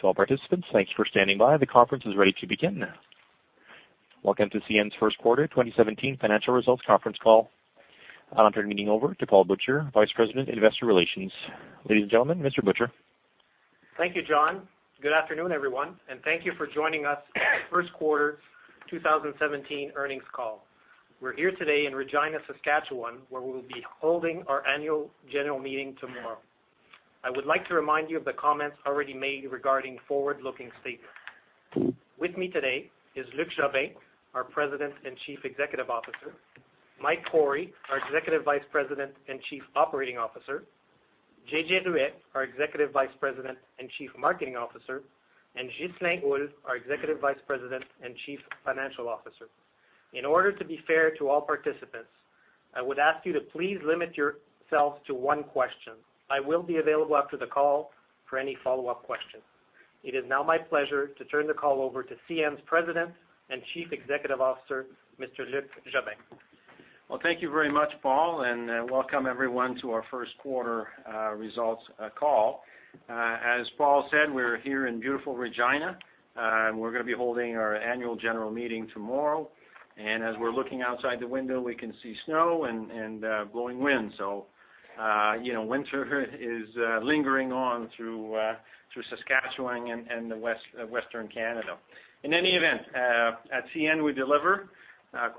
To all participants, thanks for standing by. The conference is ready to begin. Welcome to CN's First Quarter, 2017 Financial Results Conference Call. I'm turning the meeting over to Paul Butcher, Vice President, Investor Relations. Ladies and gentlemen, Mr. Butcher. Thank you, John. Good afternoon, everyone, and thank you for joining us for the first quarter 2017 earnings call. We're here today in Regina, Saskatchewan, where we will be holding our annual general meeting tomorrow. I would like to remind you of the comments already made regarding forward-looking statements. With me today is Luc Jobin, our President and Chief Executive Officer; Mike Cory, our Executive Vice President and Chief Operating Officer; J.J. Ruest, our Executive Vice President and Chief Marketing Officer; and Ghislain Houle, our Executive Vice President and Chief Financial Officer. In order to be fair to all participants, I would ask you to please limit yourselves to one question. I will be available after the call for any follow-up questions. It is now my pleasure to turn the call over to CN's President and Chief Executive Officer, Mr. Luc Jobin. Well, thank you very much, Paul, and welcome everyone to our first quarter results call. As Paul said, we're here in beautiful Regina, and we're going to be holding our annual general meeting tomorrow. As we're looking outside the window, we can see snow and blowing winds, so winter is lingering on through Saskatchewan and Western Canada. In any event, at CN, we deliver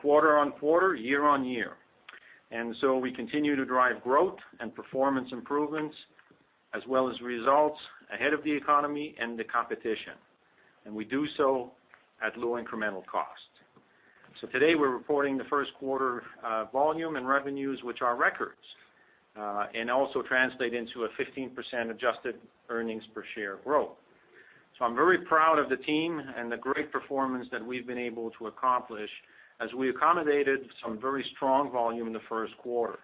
quarter on quarter, year on year. So we continue to drive growth and performance improvements, as well as results ahead of the economy and the competition. We do so at low incremental cost. So today, we're reporting the first quarter volume and revenues, which are records, and also translate into a 15% adjusted earnings per share growth. So I'm very proud of the team and the great performance that we've been able to accomplish as we accommodated some very strong volume in the first quarter.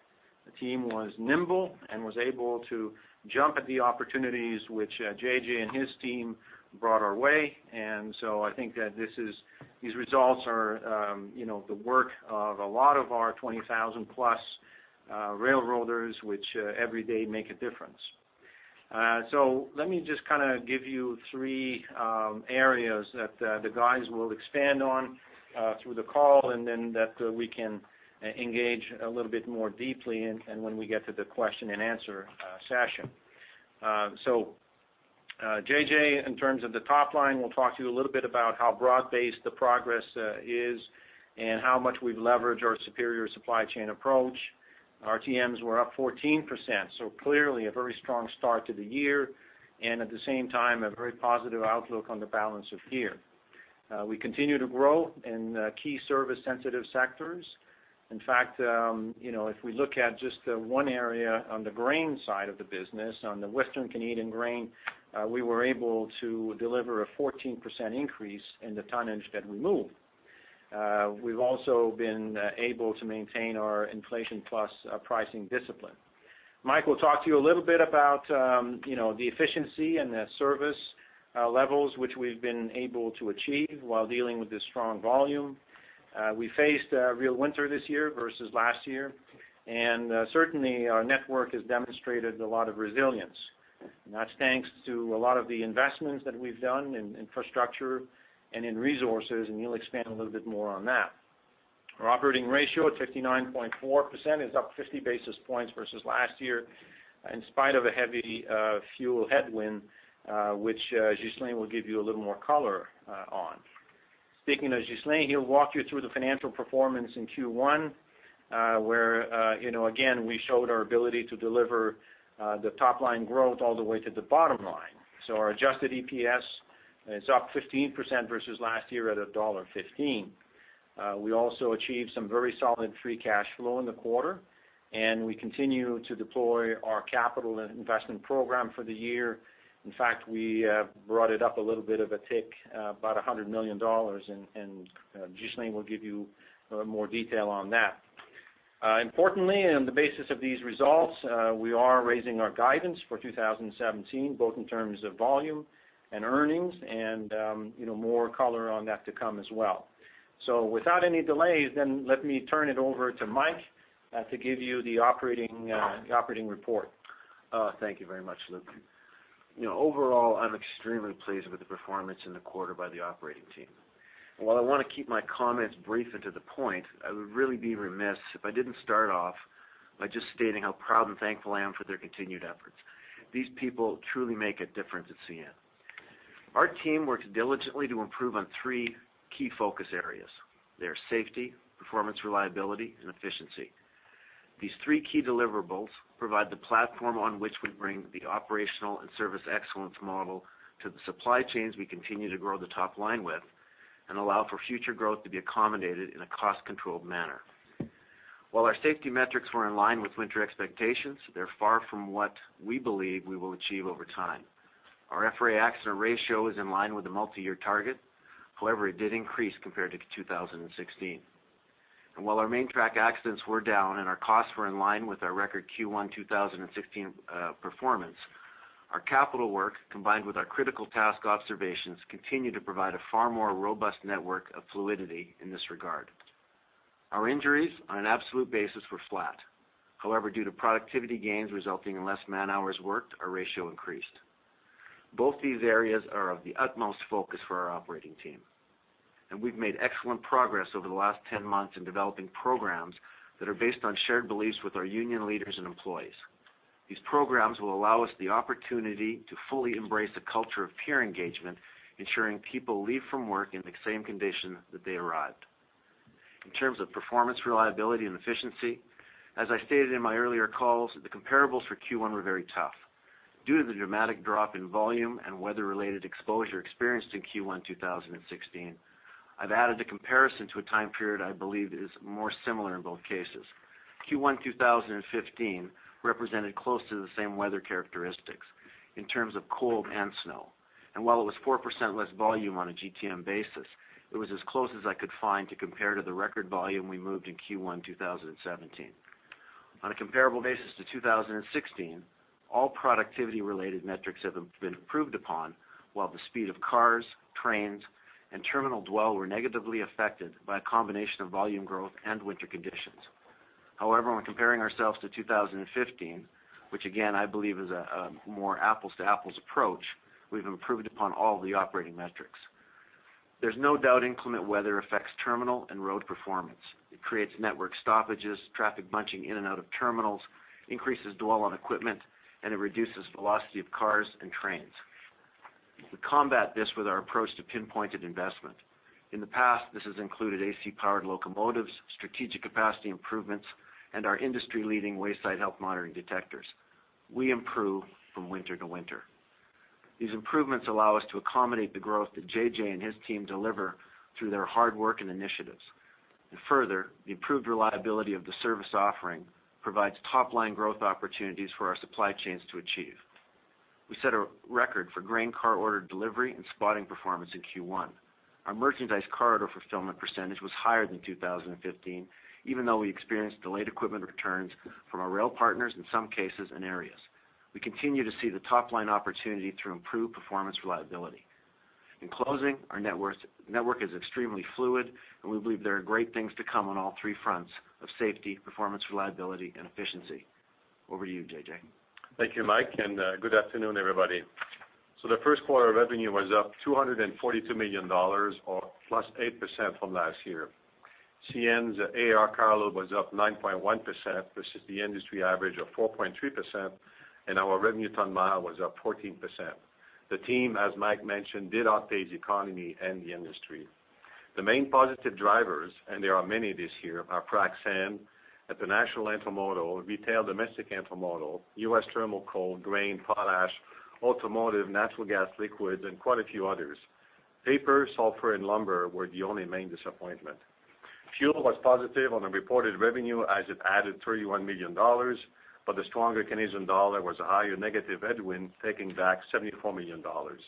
The team was nimble and was able to jump at the opportunities which J.J. and his team brought our way. And so I think that these results are the work of a lot of our 20,000-plus railroaders, which every day make a difference. So let me just kind of give you three areas that the guys will expand on through the call, and then that we can engage a little bit more deeply in when we get to the question and answer session. So J.J., in terms of the top line, we'll talk to you a little bit about how broad-based the progress is and how much we've leveraged our superior supply chain approach. RTMs were up 14%, so clearly a very strong start to the year, and at the same time, a very positive outlook on the balance of year. We continue to grow in key service-sensitive sectors. In fact, if we look at just one area on the grain side of the business, on the Western Canadian grain, we were able to deliver a 14% increase in the tonnage that we moved. We've also been able to maintain our inflation-plus pricing discipline. Mike will talk to you a little bit about the efficiency and the service levels, which we've been able to achieve while dealing with this strong volume. We faced a real winter this year versus last year, and certainly, our network has demonstrated a lot of resilience. That's thanks to a lot of the investments that we've done in infrastructure and in resources, and he'll expand a little bit more on that. Our operating ratio at 59.4% is up 50 basis points versus last year, in spite of a heavy fuel headwind, which Ghislain will give you a little more color on. Speaking of Ghislain, he'll walk you through the financial performance in Q1, where again, we showed our ability to deliver the top-line growth all the way to the bottom line. Our adjusted EPS is up 15% versus last year at dollar 1.15. We also achieved some very solid free cash flow in the quarter, and we continue to deploy our capital investment program for the year. In fact, we brought it up a little bit of a tick, about 100 million dollars, and Ghislain will give you more detail on that. Importantly, on the basis of these results, we are raising our guidance for 2017, both in terms of volume and earnings, and more color on that to come as well. So without any delays, then let me turn it over to Mike to give you the operating report. Thank you very much, Luc. Overall, I'm extremely pleased with the performance in the quarter by the operating team. While I want to keep my comments brief and to the point, I would really be remiss if I didn't start off by just stating how proud and thankful I am for their continued efforts. These people truly make a difference at CN. Our team works diligently to improve on three key focus areas. They are safety, performance reliability, and efficiency. These three key deliverables provide the platform on which we bring the operational and service excellence model to the supply chains we continue to grow the top line with and allow for future growth to be accommodated in a cost-controlled manner. While our safety metrics were in line with winter expectations, they're far from what we believe we will achieve over time. Our FRA accident ratio is in line with the multi-year target. However, it did increase compared to 2016. While our main track accidents were down and our costs were in line with our record Q1 2016 performance, our capital work, combined with our critical task observations, continue to provide a far more robust network of fluidity in this regard. Our injuries, on an absolute basis, were flat. However, due to productivity gains resulting in less man-hours worked, our ratio increased. Both these areas are of the utmost focus for our operating team. We've made excellent progress over the last 10 months in developing programs that are based on shared beliefs with our union leaders and employees. These programs will allow us the opportunity to fully embrace a culture of peer engagement, ensuring people leave from work in the same condition that they arrived. In terms of performance, reliability, and efficiency, as I stated in my earlier calls, the comparables for Q1 were very tough. Due to the dramatic drop in volume and weather-related exposure experienced in Q1 2016, I've added a comparison to a time period I believe is more similar in both cases. Q1 2015 represented close to the same weather characteristics in terms of cold and snow. While it was 4% less volume on a GTM basis, it was as close as I could find to compare to the record volume we moved in Q1 2017. On a comparable basis to 2016, all productivity-related metrics have been improved upon, while the speed of cars, trains, and terminal dwell were negatively affected by a combination of volume growth and winter conditions. However, when comparing ourselves to 2015, which again, I believe, is a more apples-to-apples approach, we've improved upon all the operating metrics. There's no doubt inclement weather affects terminal and road performance. It creates network stoppages, traffic bunching in and out of terminals, increases dwell on equipment, and it reduces velocity of cars and trains. We combat this with our approach to pinpointed investment. In the past, this has included AC-powered locomotives, strategic capacity improvements, and our industry-leading wayside health monitoring detectors. We improve from winter to winter. These improvements allow us to accommodate the growth that J.J. and his team deliver through their hard work and initiatives. And further, the improved reliability of the service offering provides top-line growth opportunities for our supply chains to achieve. We set a record for grain car order delivery and spotting performance in Q1. Our merchandise car order fulfillment percentage was higher than 2015, even though we experienced delayed equipment returns from our rail partners in some cases and areas. We continue to see the top-line opportunity through improved performance reliability. In closing, our network is extremely fluid, and we believe there are great things to come on all three fronts of safety, performance reliability, and efficiency. Over to you, J.J. Thank you, Mike, and good afternoon, everybody. So the first quarter revenue was up 242 million dollars, +8% from last year. CN's our carload was up 9.1% versus the industry average of 4.3%, and our revenue ton-mile was up 14%. The team, as Mike mentioned, did outpace the economy and the industry. The main positive drivers, and there are many this year, are frac sand, international intermodal, retail domestic intermodal, U.S. thermal coal, grain, potash, automotive, natural gas liquids, and quite a few others. Paper, sulfur, and lumber were the only main disappointment. Fuel was positive on the reported revenue as it added 31 million dollars, but the stronger Canadian dollar was a higher negative headwind, taking back 74 million dollars.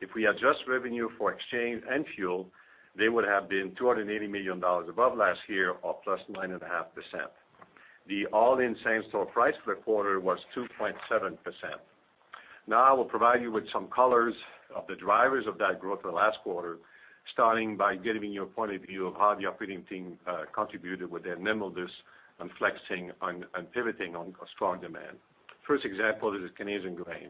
If we adjust revenue for exchange and fuel, they would have been 280 million dollars above last year, or +9.5%. The all-in same-store price for the quarter was 2.7%. Now, I will provide you with some colors of the drivers of that growth in the last quarter, starting by giving you a point of view of how the operating team contributed with their nimbleness on flexing and pivoting on strong demand. First example is Canadian grain.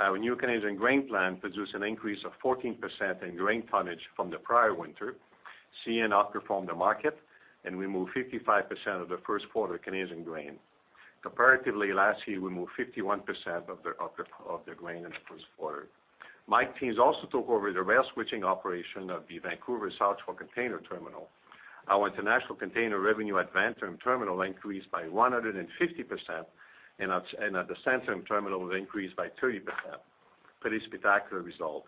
Our new Canadian grain plan produced an increase of 14% in grain tonnage from the prior winter. CN outperformed the market, and we moved 55% of the first quarter Canadian grain. Comparatively, last year, we moved 51% of the grain in the first quarter. Mike's team also took over the rail switching operation of the Vancouver South Shore Container Terminal. Our international container revenue at Vanterm Container Terminal increased by 150%, and at the Centerm Container Terminal, it increased by 30%. Pretty spectacular result.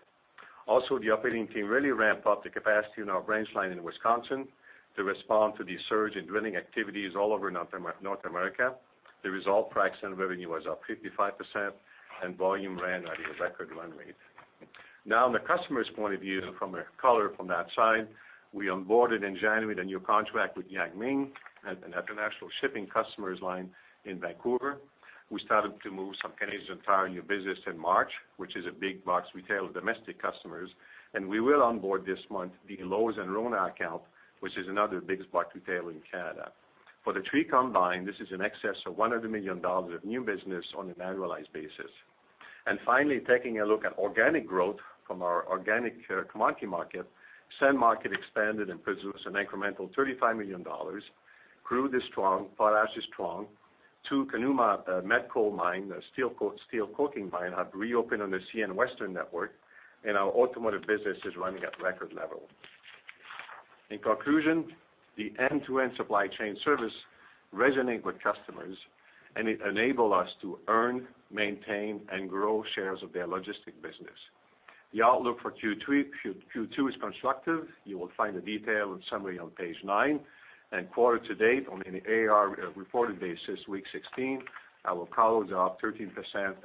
Also, the operating team really ramped up the capacity in our branch line in Wisconsin to respond to the surge in drilling activities all over North America. The result, frac sand revenue was up 55%, and volume ran at a record run rate. Now, on the customer's point of view, from a color from that side, we onboarded in January the new contract with Yang Ming at an international shipping customer's line in Vancouver. We started to move some Canadian Tire new business in March, which is a big box retail of domestic customers. We will onboard this month the Lowe’s and RONA account, which is another big box retail in Canada. For the three combined, this is in excess of 100 million dollars of new business on an annualized basis. Finally, taking a look at organic growth from our organic commodity market, sand market expanded and produced an incremental 35 million dollars. Crude is strong, potash is strong. Two Conuma Coal mine, a steel coking mine, have reopened on the CN Western network, and our automotive business is running at record level. In conclusion, the end-to-end supply chain service resonates with customers, and it enables us to earn, maintain, and grow shares of their logistics business. The outlook for Q2 is constructive. You will find a detailed summary on page 9. Quarter to date, on an AAR reported basis, week 16, our carloads are up 13%,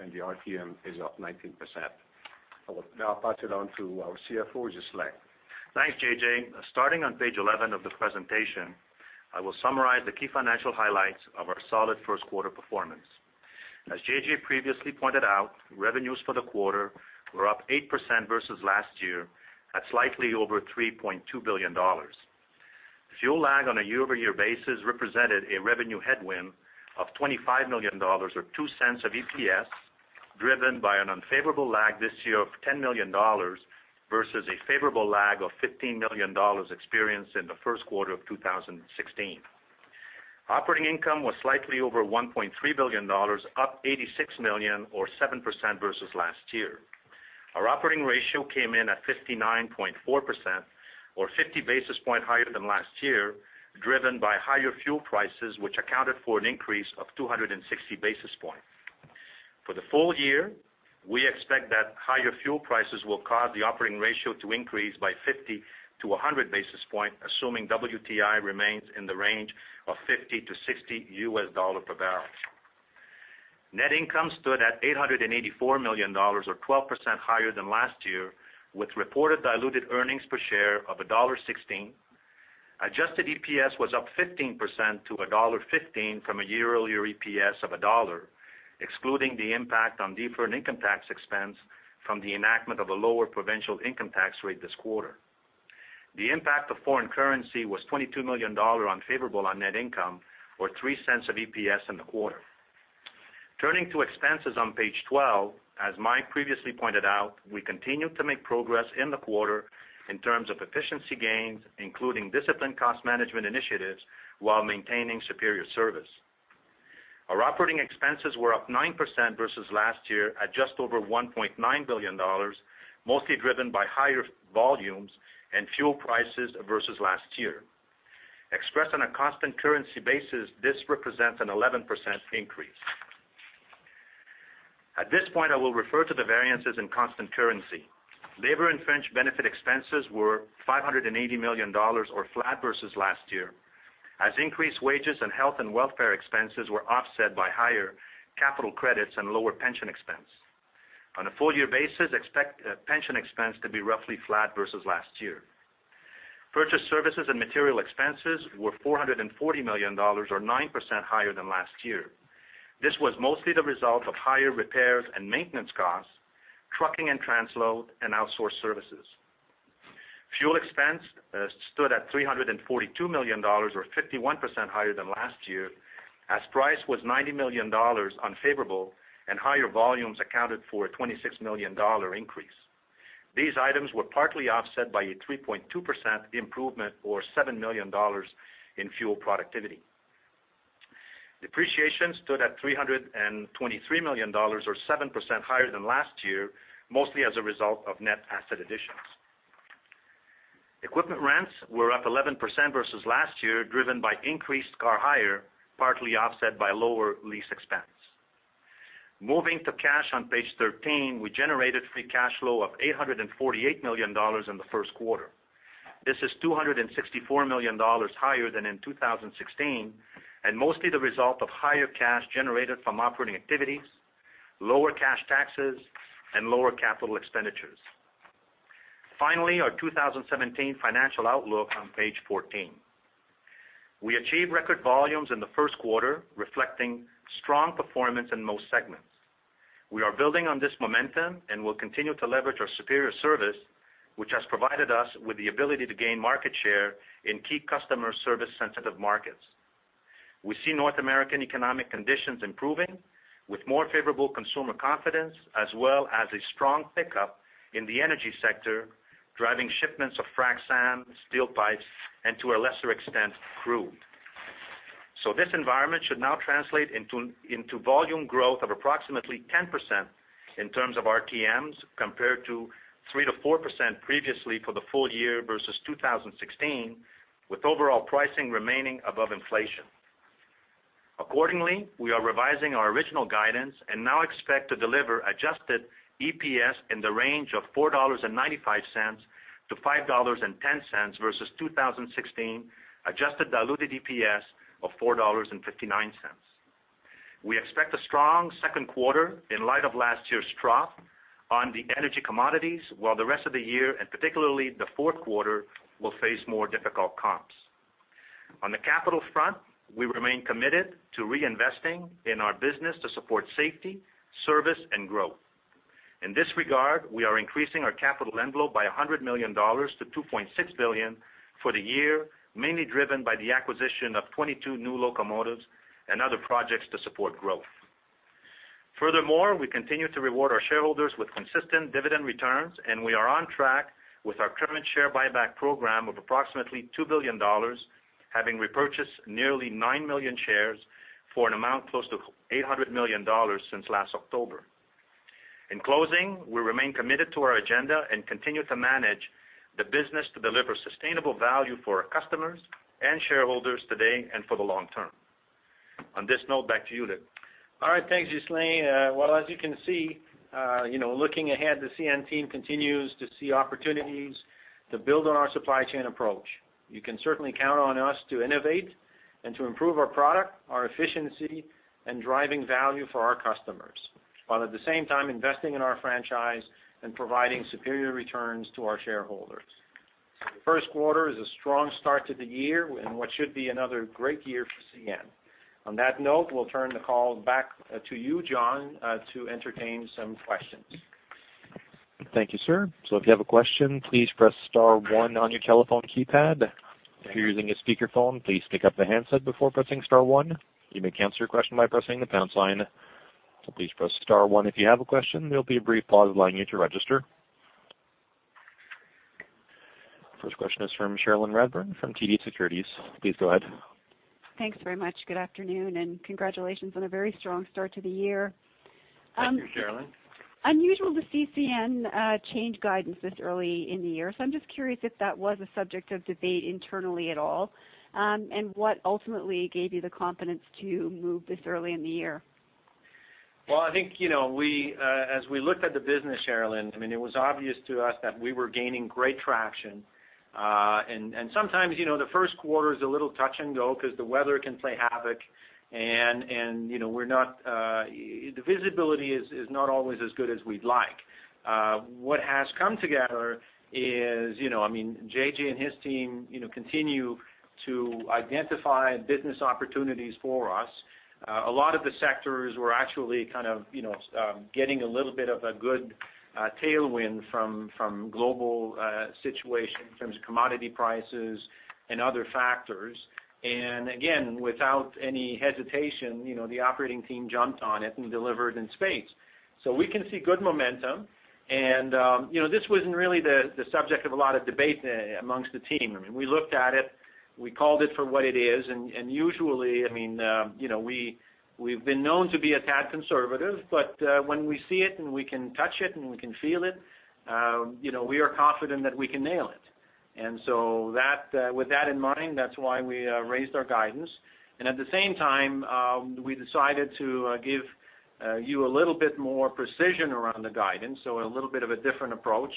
and the RTM is up 19%. I will now pass it on to our CFO, Ghislain. Thanks, J.J. Starting on page 11 of the presentation, I will summarize the key financial highlights of our solid first quarter performance. As J.J. previously pointed out, revenues for the quarter were up 8% versus last year, at slightly over 3.2 billion dollars. Fuel lag on a year-over-year basis represented a revenue headwind of 25 million dollars, or 0.02 of EPS, driven by an unfavorable lag this year of CAD1 0 million versus a favorable lag of 15 million dollars experienced in the first quarter of 2016. Operating income was slightly over 1.3 billion dollars, up 86 million, or 7% versus last year. Our operating ratio came in at 59.4%, or 50 basis points higher than last year, driven by higher fuel prices, which accounted for an increase of 260 basis points. For the full year, we expect that higher fuel prices will cause the operating ratio to increase by 50 to 100 basis points, assuming WTI remains in the range of CAD 50-CAD 60 per barrel. Net income stood at 884 million dollars, or 12% higher than last year, with reported diluted earnings per share of dollar 1.16. Adjusted EPS was up 15% to dollar 1.15 from a year-over-year EPS of CAD 1, excluding the impact on deferred income tax expense from the enactment of a lower provincial income tax rate this quarter. The impact of foreign currency was 22 million dollar unfavorable on net income, or 0.03 of EPS in the quarter. Turning to expenses on page 12, as Mike previously pointed out, we continued to make progress in the quarter in terms of efficiency gains, including disciplined cost management initiatives while maintaining superior service. Our operating expenses were up 9% versus last year, at just over 1.9 billion dollars, mostly driven by higher volumes and fuel prices versus last year. Expressed on a constant currency basis, this represents an 11% increase. At this point, I will refer to the variances in constant currency. Labor and fringe benefit expenses were 580 million dollars, or flat versus last year, as increased wages and health and welfare expenses were offset by higher capital credits and lower pension expense. On a full-year basis, expect pension expense to be roughly flat versus last year. Purchased services and material expenses were 440 million dollars, or 9% higher than last year. This was mostly the result of higher repairs and maintenance costs, trucking and transload, and outsourced services. Fuel expense stood at 342 million dollars, or 51% higher than last year, as price was 90 million dollars unfavorable and higher volumes accounted for a 26 million dollar increase. These items were partly offset by a 3.2% improvement, or 7 million dollars in fuel productivity. Depreciation stood at 323 million dollars, or 7% higher than last year, mostly as a result of net asset additions. Equipment rents were up 11% versus last year, driven by increased car hire, partly offset by lower lease expense. Moving to cash on page 13, we generated free cash flow of 848 million dollars in the first quarter. This is 264 million dollars higher than in 2016, and mostly the result of higher cash generated from operating activities, lower cash taxes, and lower capital expenditures. Finally, our 2017 financial outlook on page 14. We achieved record volumes in the first quarter, reflecting strong performance in most segments. We are building on this momentum and will continue to leverage our superior service, which has provided us with the ability to gain market share in key customer service-sensitive markets. We see North American economic conditions improving, with more favorable consumer confidence, as well as a strong pickup in the energy sector, driving shipments of frac sand, steel pipes, and to a lesser extent, crude. So this environment should now translate into volume growth of approximately 10% in terms of RTMs compared to 3%-4% previously for the full year versus 2016, with overall pricing remaining above inflation. Accordingly, we are revising our original guidance and now expect to deliver adjusted EPS in the range of 4.95-5.10 dollars versus 2016, adjusted diluted EPS of 4.59 dollars. We expect a strong second quarter in light of last year's trough on the energy commodities, while the rest of the year, and particularly the fourth quarter, will face more difficult comps. On the capital front, we remain committed to reinvesting in our business to support safety, service, and growth. In this regard, we are increasing our capital envelope by 100 million dollars to 2.6 billion for the year, mainly driven by the acquisition of 22 new locomotives and other projects to support growth. Furthermore, we continue to reward our shareholders with consistent dividend returns, and we are on track with our current share buyback program of approximately 2 billion dollars, having repurchased nearly nine million shares for an amount close to 800 million dollars since last October. In closing, we remain committed to our agenda and continue to manage the business to deliver sustainable value for our customers and shareholders today and for the long term. On this note, back to you, Luc. All right, thanks, Ghislain. Well, as you can see, looking ahead, the CN team continues to see opportunities to build on our supply chain approach. You can certainly count on us to innovate and to improve our product, our efficiency, and driving value for our customers, while at the same time investing in our franchise and providing superior returns to our shareholders. First quarter is a strong start to the year and what should be another great year for CN. On that note, we'll turn the call back to you, John, to entertain some questions. Thank you, sir. So if you have a question, please press star one on your telephone keypad. If you're using a speakerphone, please pick up the handset before pressing star one. You may cancel your question by pressing the pound sign. So please press star one if you have a question. There'll be a brief pause allowing you to register. First question is from Cherilyn Radbourne from TD Securities. Please go ahead. Thanks very much. Good afternoon, and congratulations on a very strong start to the year. Thank you, Cherilyn. Unusual to see CN change guidance this early in the year. So I'm just curious if that was a subject of debate internally at all, and what ultimately gave you the confidence to move this early in the year? Well, I think as we looked at the business, Cherilyn, I mean, it was obvious to us that we were gaining great traction. And sometimes the first quarter is a little touch and go because the weather can play havoc, and the visibility is not always as good as we'd like. What has come together is, I mean, J.J. and his team continue to identify business opportunities for us. A lot of the sectors were actually kind of getting a little bit of a good tailwind from global situation in terms of commodity prices and other factors. And again, without any hesitation, the operating team jumped on it and delivered in spades. So we can see good momentum, and this wasn't really the subject of a lot of debate amongst the team. I mean, we looked at it, we called it for what it is, and usually, I mean, we've been known to be a tad conservative, but when we see it and we can touch it and we can feel it, we are confident that we can nail it. And so with that in mind, that's why we raised our guidance. And at the same time, we decided to give you a little bit more precision around the guidance, so a little bit of a different approach,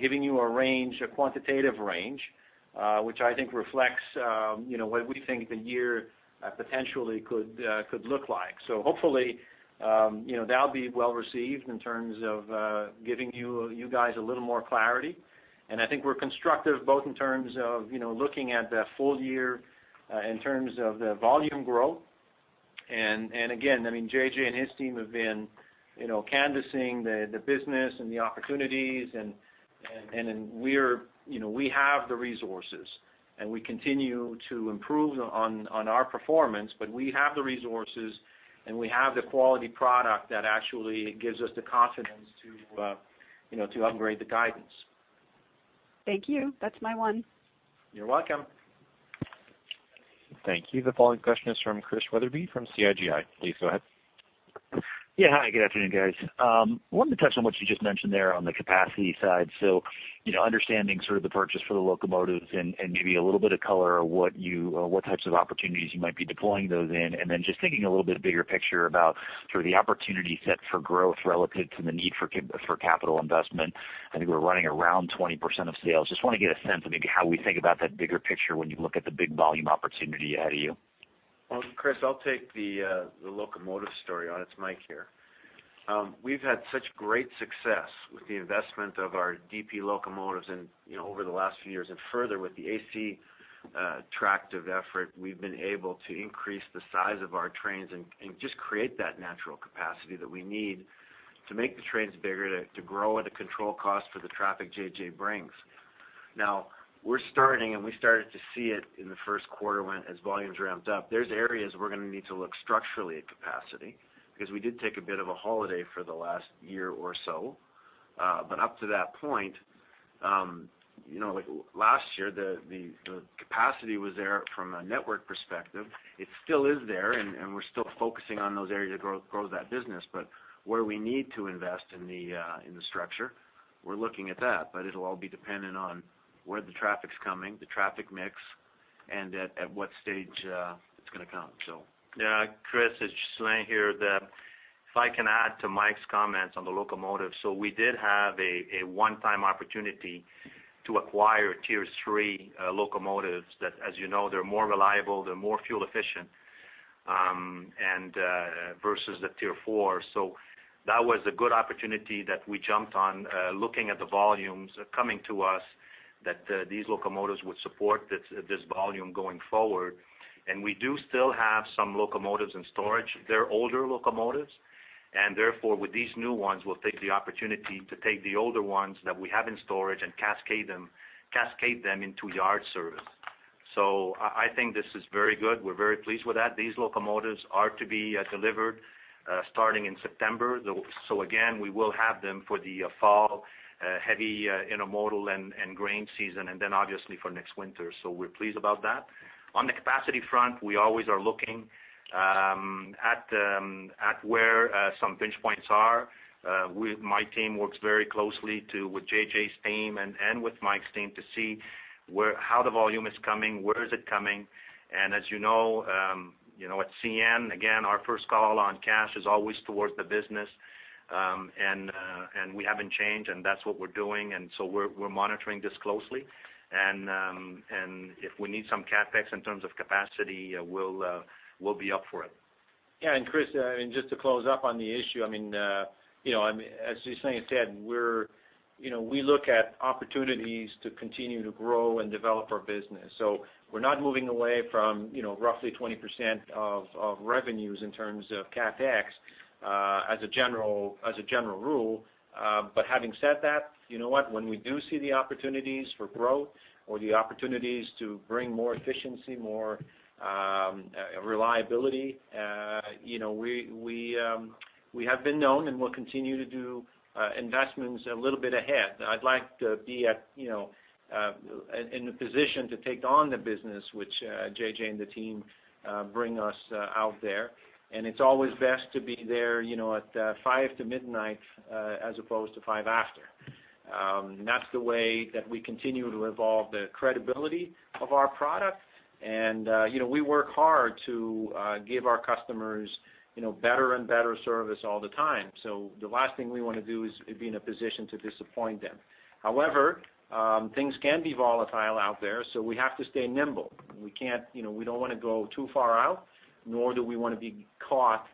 giving you a range, a quantitative range, which I think reflects what we think the year potentially could look like. So hopefully, that'll be well received in terms of giving you guys a little more clarity. And I think we're constructive both in terms of looking at the full year, in terms of the volume growth. And again, I mean, J.J. and his team have been canvassing the business and the opportunities, and we have the resources, and we continue to improve on our performance, but we have the resources, and we have the quality product that actually gives us the confidence to upgrade the guidance. Thank you. That's my one. You're welcome. Thank you. The following question is from Chris Wetherbee from Citi. Please go ahead. Yeah, hi. Good afternoon, guys. I wanted to touch on what you just mentioned there on the capacity side. So understanding sort of the purchase for the locomotives and maybe a little bit of color of what types of opportunities you might be deploying those in, and then just thinking a little bit bigger picture about sort of the opportunity set for growth relative to the need for capital investment. I think we're running around 20% of sales. Just want to get a sense of maybe how we think about that bigger picture when you look at the big volume opportunity ahead of you. Well, Chris, I'll take the locomotive story, oh it's Mike here. We've had such great success with the investment of our DP locomotives over the last few years, and further with the AC tractive effort, we've been able to increase the size of our trains and just create that natural capacity that we need to make the trains bigger, to grow at a controlled cost for the traffic J.J. brings. Now, we're starting, and we started to see it in the first quarter when as volumes ramped up, there's areas we're going to need to look structurally at capacity because we did take a bit of a holiday for the last year or so. But up to that point, last year, the capacity was there from a network perspective. It still is there, and we're still focusing on those areas to grow that business. Where we need to invest in the structure, we're looking at that, but it'll all be dependent on where the traffic's coming, the traffic mix, and at what stage it's going to come, so. Yeah, Chris, it's Ghislain here that if I can add to Mike's comments on the locomotives. So we did have a one-time opportunity to acquire Tier 3 locomotives that, as you know, they're more reliable, they're more fuel efficient versus the Tier 4. So that was a good opportunity that we jumped on, looking at the volumes coming to us that these locomotives would support this volume going forward. And we do still have some locomotives in storage. They're older locomotives, and therefore, with these new ones, we'll take the opportunity to take the older ones that we have in storage and cascade them into yard service. So I think this is very good. We're very pleased with that. These locomotives are to be delivered starting in September. So again, we will have them for the fall, heavy intermodal and grain season, and then obviously for next winter. So we're pleased about that. On the capacity front, we always are looking at where some pinch points are. My team works very closely with J.J.'s team and with Mike's team to see how the volume is coming, where is it coming. And as you know, at CN, again, our first call on cash is always towards the business, and we haven't changed, and that's what we're doing. And so we're monitoring this closely. And if we need some CapEx in terms of capacity, we'll be up for it. Yeah. And Chris, I mean, just to close up on the issue, I mean, as Ghislain said, we look at opportunities to continue to grow and develop our business. So we're not moving away from roughly 20% of revenues in terms of CapEx as a general rule. But having said that, you know what? When we do see the opportunities for growth or the opportunities to bring more efficiency, more reliability, we have been known and will continue to do investments a little bit ahead. I'd like to be in the position to take on the business, which J.J. and the team bring us out there. And it's always best to be there at 5:00 P.M. to midnight as opposed to 5:00 A.M. after. That's the way that we continue to evolve the credibility of our product. And we work hard to give our customers better and better service all the time. So the last thing we want to do is be in a position to disappoint them. However, things can be volatile out there, so we have to stay nimble. We don't want to go too far out, nor do we want to be caught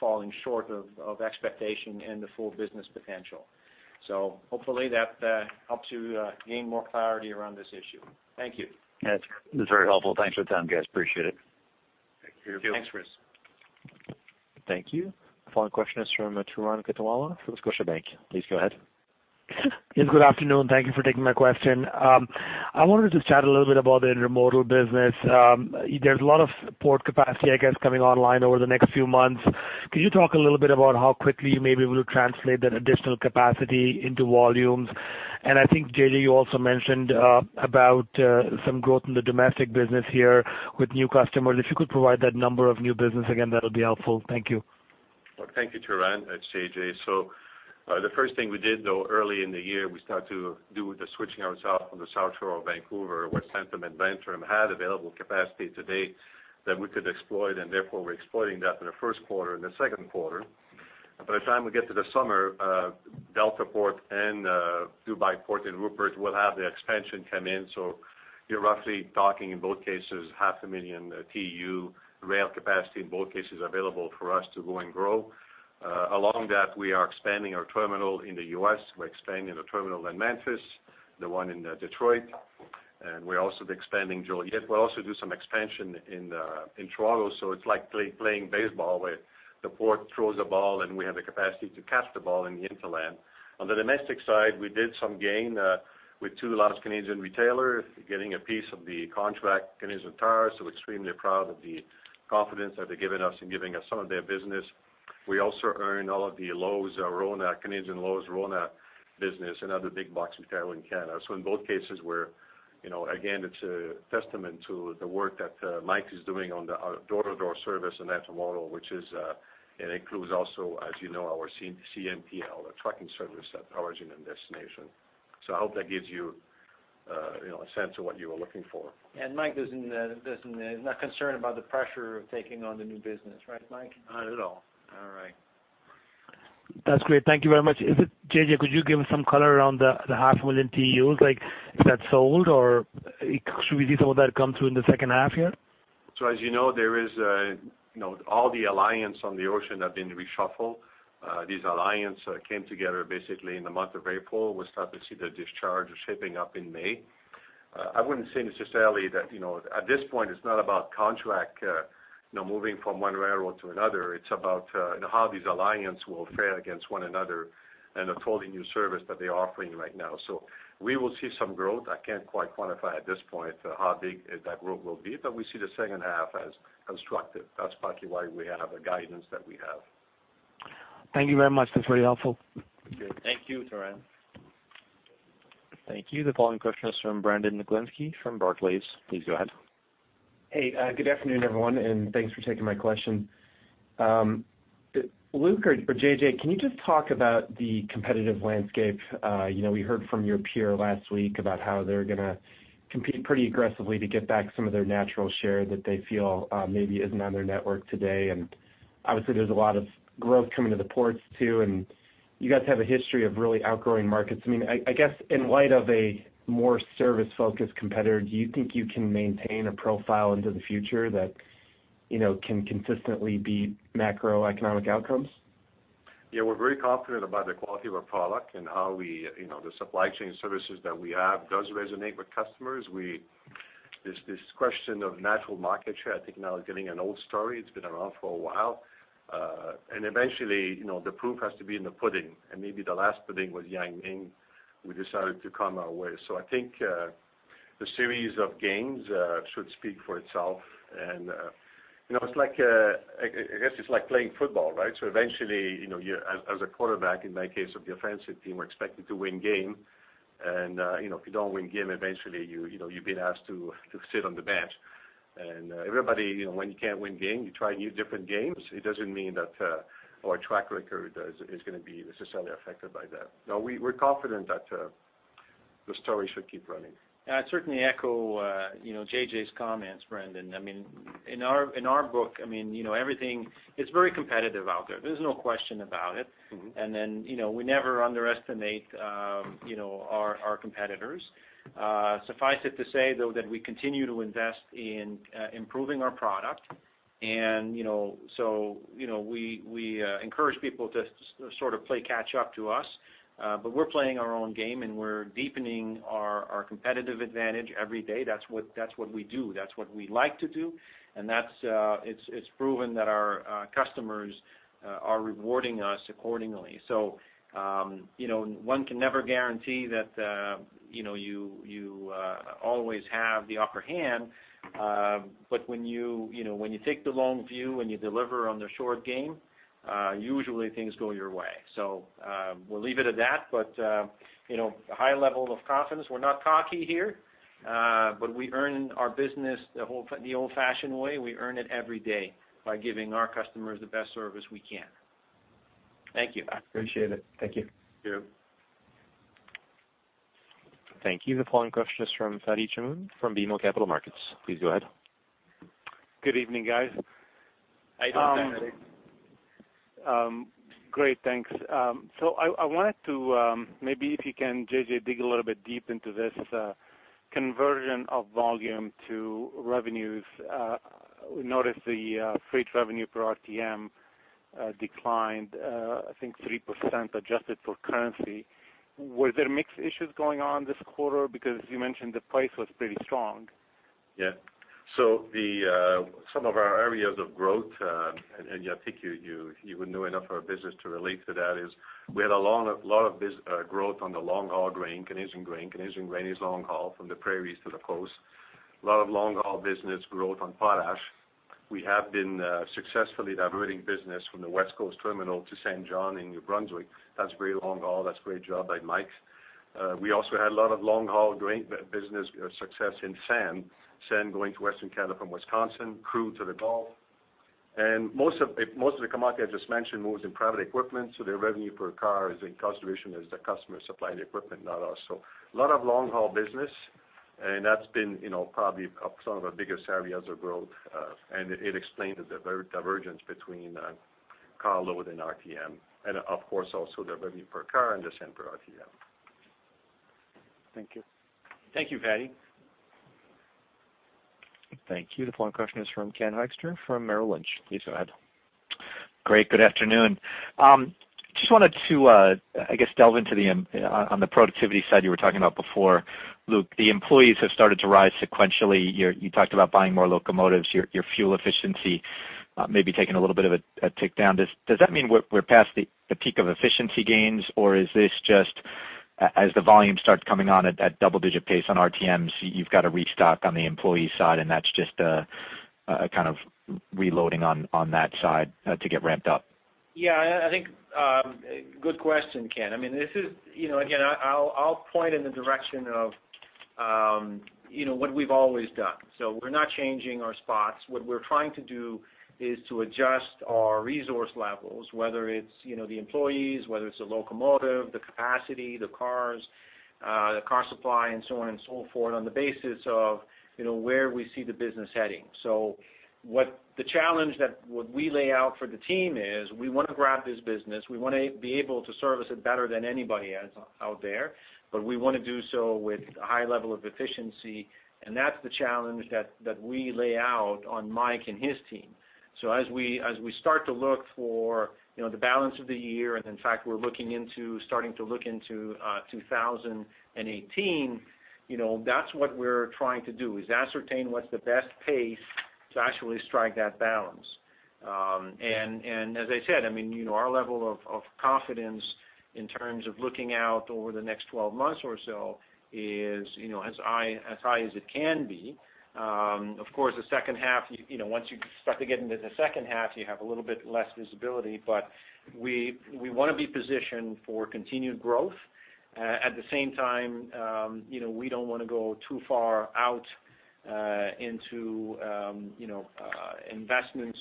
falling short of expectation and the full business potential. Hopefully, that helps you gain more clarity around this issue. Thank you. That's very helpful. Thanks for the time, guys. Appreciate it. Thank you. Thanks, Chris. Thank you. The following question is from Turan Quettawala for Scotiabank. Please go ahead. Yes, good afternoon. Thank you for taking my question. I wanted to chat a little bit about the intermodal business. There's a lot of port capacity, I guess, coming online over the next few months. Could you talk a little bit about how quickly you may be able to translate that additional capacity into volumes? And I think, J.J., you also mentioned about some growth in the domestic business here with new customers. If you could provide that number of new business again, that would be helpful. Thank you. Thank you, Turan. That's J.J. So the first thing we did, though, early in the year, we started to do the switching ourselves from the South Shore of Vancouver, West Hampton, and Vanterm had available capacity today that we could exploit, and therefore, we're exploiting that in the first quarter and the second quarter. By the time we get to the summer, Deltaport and DP World in Rupert will have the expansion come in. So you're roughly talking, in both cases, 500,000 TEU rail capacity, in both cases, available for us to go and grow. Along that, we are expanding our terminal in the US. We're expanding the terminal in Memphis, the one in Detroit. And we're also expanding Joliet. We'll also do some expansion in Toronto. So it's like playing baseball where the port throws the ball, and we have the capacity to catch the ball in the hinterland. On the domestic side, we did some gain with two large Canadian retailers, getting a piece of the contract, Canadian Tire. So we're extremely proud of the confidence that they've given us in giving us some of their business. We also earned all of the Loblaws, our own Canadian Loblaws, RONA business, another big box retailer in Canada. So in both cases, again, it's a testament to the work that Mike is doing on the door-to-door service and that model, which includes also, as you know, our CNTL, the trucking service that origin and destination. So I hope that gives you a sense of what you were looking for. Mike is not concerned about the pressure of taking on the new business, right, Mike? Not at all. All right. That's great. Thank you very much. J.J., could you give us some color around the half a million TEUs? Is that sold, or should we see some of that come through in the second half here? So as you know, there are all the alliances on the ocean that have been reshuffled. These alliances came together basically in the month of April. We started to see the discharges shipping up in May. I wouldn't say necessarily that at this point, it's not about contracts moving from one railroad to another. It's about how these alliances will fare against one another and the totally new services that they're offering right now. So we will see some growth. I can't quite quantify at this point how big that growth will be, but we see the second half as constructive. That's partly why we have the guidance that we have. Thank you very much. That's very helpful. Thank you, Turan. Thank you. The following question is from Brandon Oglenski from Barclays. Please go ahead. Hey, good afternoon, everyone, and thanks for taking my question. Luc or J.J., can you just talk about the competitive landscape? We heard from your peer last week about how they're going to compete pretty aggressively to get back some of their natural share that they feel maybe isn't on their network today. And obviously, there's a lot of growth coming to the ports too, and you guys have a history of really outgrowing markets. I mean, I guess in light of a more service-focused competitor, do you think you can maintain a profile into the future that can consistently beat macroeconomic outcomes? Yeah, we're very confident about the quality of our product and how the supply chain services that we have does resonate with customers. This question of natural market share, I think now is getting an old story. It's been around for a while. And eventually, the proof has to be in the pudding. And maybe the last pudding was Yang Ming; we decided to come our way. So I think the series of gains should speak for itself. And I guess it's like playing football, right? So eventually, as a quarterback, in my case of the offensive team, we're expected to win game. And if you don't win game, eventually, you've been asked to sit on the bench. And everybody, when you can't win game, you try new different games. It doesn't mean that our track record is going to be necessarily affected by that. No, we're confident that the story should keep running. I certainly echo J.J.'s comments, Brandon. I mean, in our book, I mean, everything is very competitive out there. There's no question about it. We never underestimate our competitors. Suffice it to say, though, that we continue to invest in improving our product. So we encourage people to sort of play catch-up to us. But we're playing our own game, and we're deepening our competitive advantage every day. That's what we do. That's what we like to do. And it's proven that our customers are rewarding us accordingly. So one can never guarantee that you always have the upper hand. But when you take the long view and you deliver on the short game, usually things go your way. So we'll leave it at that. But a high level of confidence, we're not cocky here, but we earn our business the old-fashioned way. We earn it every day by giving our customers the best service we can. Thank you. I appreciate it. Thank you. Thank you. Thank you. The following question is from Fadi Chamoun from BMO Capital Markets. Please go ahead. Good evening, guys. Hi, Fadi. Great. Thanks. So I wanted to maybe, if you can, J.J., dig a little bit deep into this conversion of volume to revenues. We noticed the freight revenue per RTM declined, I think 3% adjusted for currency. Were there mixed issues going on this quarter? Because you mentioned the price was pretty strong. Yeah. So some of our areas of growth, and I think you wouldn't know enough of our business to relate to that, is we had a lot of growth on the long-haul grain, Canadian grain. Canadian grain is long-haul from the prairies to the coast. A lot of long-haul business growth on potash. We have been successfully diverting business from the West Coast terminal to Saint John in New Brunswick. That's very long-haul. That's a great job by Mike. We also had a lot of long-haul grain business success in sand, sand going to Western Canada from Wisconsin, crude to the Gulf. And most of the commodity I just mentioned moves in private equipment. So their revenue per car isn't constant because the customer supplied equipment, not us. So a lot of long-haul business, and that's been probably some of our biggest areas of growth. It explains the divergence between carload and RTM, and of course, also the revenue per car and the yield per RTM. Thank you. Thank you, Fadi. Thank you. The following question is from Ken Hoexter from Merrill Lynch. Please go ahead. Great. Good afternoon. Just wanted to, I guess, delve into the productivity side you were talking about before. Luc, the employees have started to rise sequentially. You talked about buying more locomotives. Your fuel efficiency may be taking a little bit of a tick down. Does that mean we're past the peak of efficiency gains, or is this just as the volumes start coming on at double-digit pace on RTMs, you've got to restock on the employee side, and that's just kind of reloading on that side to get ramped up? Yeah. I think good question, Ken. I mean, this is, again, I'll point in the direction of what we've always done. So we're not changing our spots. What we're trying to do is to adjust our resource levels, whether it's the employees, whether it's the locomotive, the capacity, the cars, the car supply, and so on and so forth, on the basis of where we see the business heading. So the challenge that we lay out for the team is we want to grab this business. We want to be able to service it better than anybody out there, but we want to do so with a high level of efficiency. And that's the challenge that we lay out on Mike and his team. So as we start to look for the balance of the year, and in fact, we're looking into starting to look into 2018, that's what we're trying to do, is ascertain what's the best pace to actually strike that balance. And as I said, I mean, our level of confidence in terms of looking out over the next 12 months or so is as high as it can be. Of course, the second half, once you start to get into the second half, you have a little bit less visibility. But we want to be positioned for continued growth. At the same time, we don't want to go too far out into investments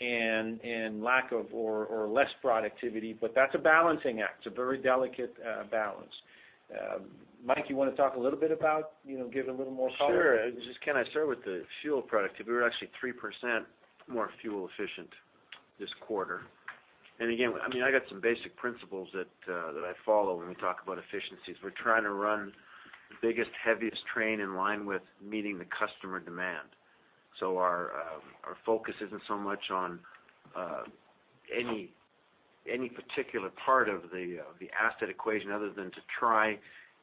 and lack of or less productivity. But that's a balancing act. It's a very delicate balance. Mike, you want to talk a little bit about, give a little more color? Sure. Just can I start with the fuel productivity? We're actually 3% more fuel efficient this quarter. And again, I mean, I got some basic principles that I follow when we talk about efficiencies. We're trying to run the biggest, heaviest train in line with meeting the customer demand. So our focus isn't so much on any particular part of the asset equation other than to try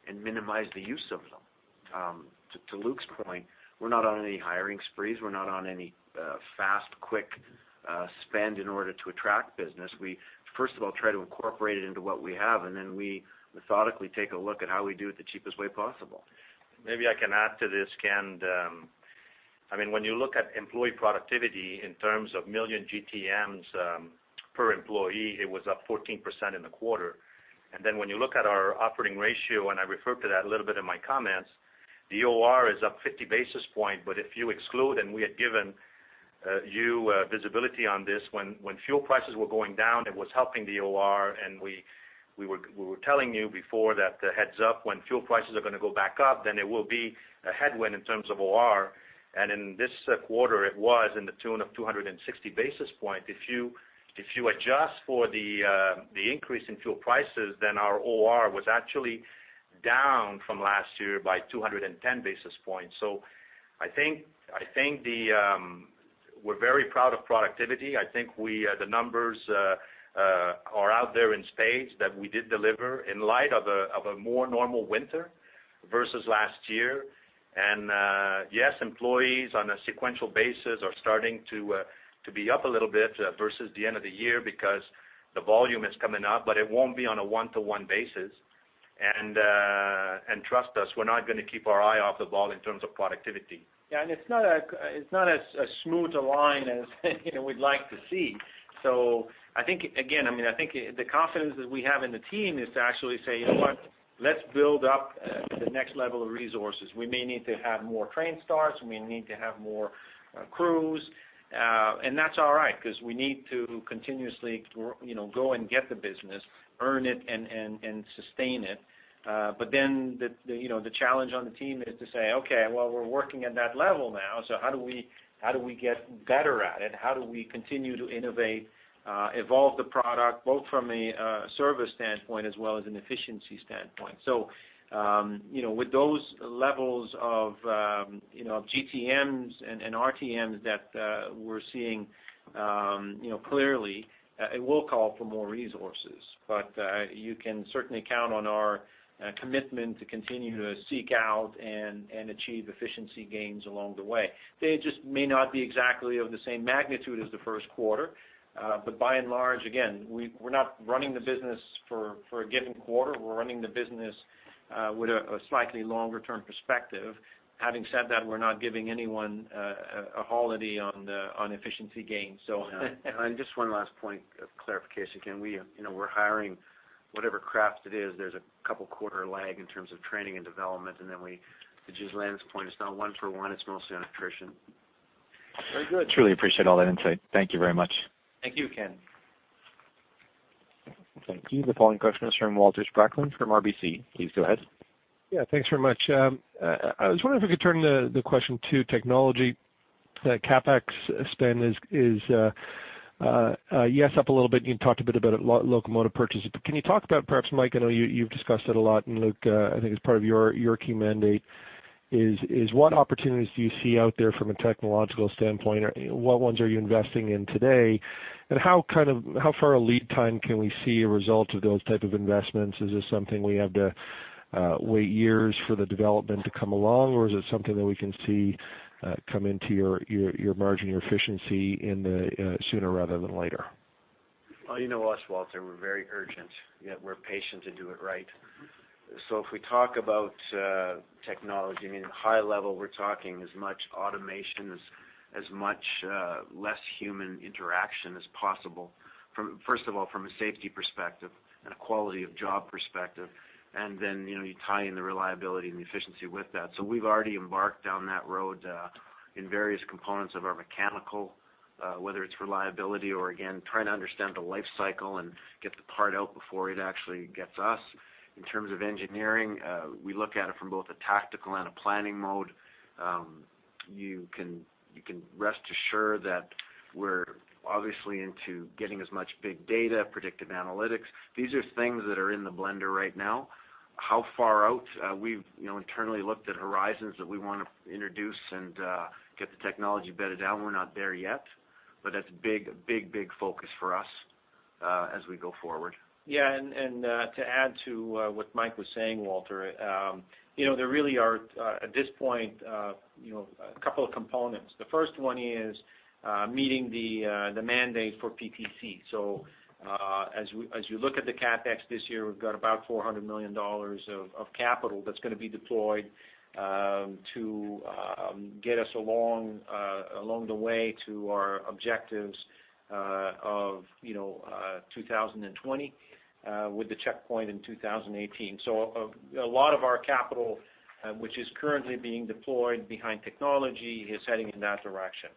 and minimize the use of them. To Luc's point, we're not on any hiring sprees. We're not on any fast, quick spend in order to attract business. We, first of all, try to incorporate it into what we have, and then we methodically take a look at how we do it the cheapest way possible. Maybe I can add to this, Ken. I mean, when you look at employee productivity in terms of million GTMs per employee, it was up 14% in the quarter. And then when you look at our operating ratio, and I referred to that a little bit in my comments, the OR is up 50 basis points. But if you exclude, and we had given you visibility on this, when fuel prices were going down, it was helping the OR. And we were telling you before that the heads-up, when fuel prices are going to go back up, then there will be a headwind in terms of OR. And in this quarter, it was in the tune of 260 basis points. If you adjust for the increase in fuel prices, then our OR was actually down from last year by 210 basis points. So I think we're very proud of productivity. I think the numbers are out there in spades that we did deliver in light of a more normal winter versus last year. Yes, employees on a sequential basis are starting to be up a little bit versus the end of the year because the volume is coming up, but it won't be on a one-to-one basis. Trust us, we're not going to keep our eye off the ball in terms of productivity. Yeah. And it's not as smooth a line as we'd like to see. So I think, again, I mean, I think the confidence that we have in the team is to actually say, "You know what? Let's build up the next level of resources. We may need to have more train starts. We may need to have more crews." And that's all right because we need to continuously go and get the business, earn it, and sustain it. But then the challenge on the team is to say, "Okay, well, we're working at that level now, so how do we get better at it? How do we continue to innovate, evolve the product both from a service standpoint as well as an efficiency standpoint?" So with those levels of GTMs and RTMs that we're seeing clearly, it will call for more resources. But you can certainly count on our commitment to continue to seek out and achieve efficiency gains along the way. They just may not be exactly of the same magnitude as the first quarter. But by and large, again, we're not running the business for a given quarter. We're running the business with a slightly longer-term perspective. Having said that, we're not giving anyone a holiday on efficiency gains. Just one last point of clarification, Ken. We're hiring whatever craft it is. There's a couple-quarter lag in terms of training and development. And then to Ghislain's point, it's not one-for-one. It's mostly on attrition. Very good. Truly appreciate all that insight. Thank you very much. Thank you, Ken. Thank you. The following question is from Walter Spracklin from RBC. Please go ahead. Yeah. Thanks very much. I was wondering if we could turn the question to technology. CapEx spend is, yes, up a little bit. You talked a bit about it, locomotive purchases. But can you talk about, perhaps, Mike? I know you've discussed it a lot. And Luc, I think it's part of your key mandate. What opportunities do you see out there from a technological standpoint? What ones are you investing in today? And how far a lead time can we see a result of those types of investments? Is this something we have to wait years for the development to come along, or is it something that we can see come into your margin, your efficiency sooner rather than later? Well, you know us, Walter. We're very urgent, yet we're patient to do it right. So if we talk about technology, I mean, high level, we're talking as much automation, as much less human interaction as possible, first of all, from a safety perspective and a quality of job perspective. And then you tie in the reliability and the efficiency with that. So we've already embarked down that road in various components of our mechanical, whether it's reliability or, again, trying to understand the life cycle and get the part out before it actually gets us. In terms of engineering, we look at it from both a tactical and a planning mode. You can rest assured that we're obviously into getting as much big data, predictive analytics. These are things that are in the blender right now. How far out? We've internally looked at horizons that we want to introduce and get the technology bedded out. We're not there yet, but that's a big, big focus for us as we go forward. Yeah. And to add to what Mike was saying, Walter, there really are, at this point, a couple of components. The first one is meeting the mandate for PTC. So as you look at the CapEx this year, we've got about 400 million dollars of capital that's going to be deployed to get us along the way to our objectives of 2020 with the checkpoint in 2018. So a lot of our capital, which is currently being deployed behind technology, is heading in that direction.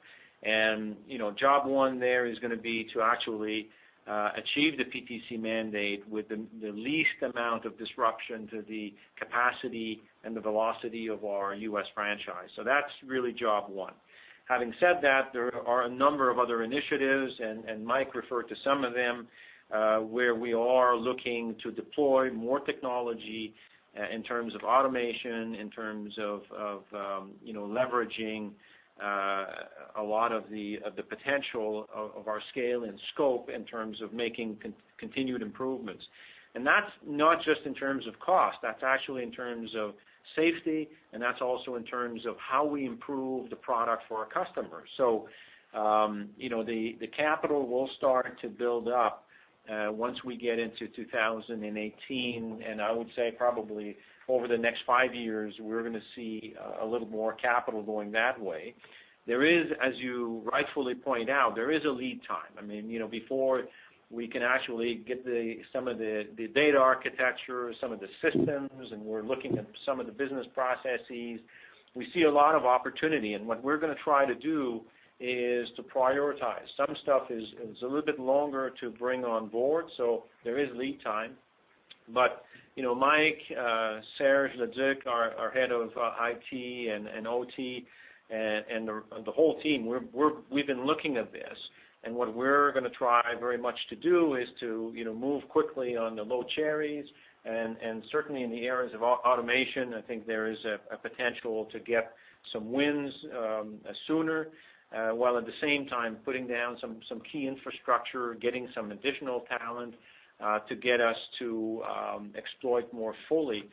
And job one there is going to be to actually achieve the PTC mandate with the least amount of disruption to the capacity and the velocity of our US franchise. So that's really job one. Having said that, there are a number of other initiatives, and Mike referred to some of them, where we are looking to deploy more technology in terms of automation, in terms of leveraging a lot of the potential of our scale and scope in terms of making continued improvements. And that's not just in terms of cost. That's actually in terms of safety, and that's also in terms of how we improve the product for our customers. So the capital will start to build up once we get into 2018. And I would say probably over the next five years, we're going to see a little more capital going that way. There is, as you rightfully point out, there is a lead time. I mean, before we can actually get some of the data architecture, some of the systems, and we're looking at some of the business processes, we see a lot of opportunity. And what we're going to try to do is to prioritize. Some stuff is a little bit longer to bring on board, so there is lead time. But Mike, Serge Leduc, our head of IT and OT, and the whole team, we've been looking at this. And what we're going to try very much to do is to move quickly on the low-hanging fruit. And certainly in the areas of automation, I think there is a potential to get some wins sooner while at the same time putting down some key infrastructure, getting some additional talent to get us to exploit more fully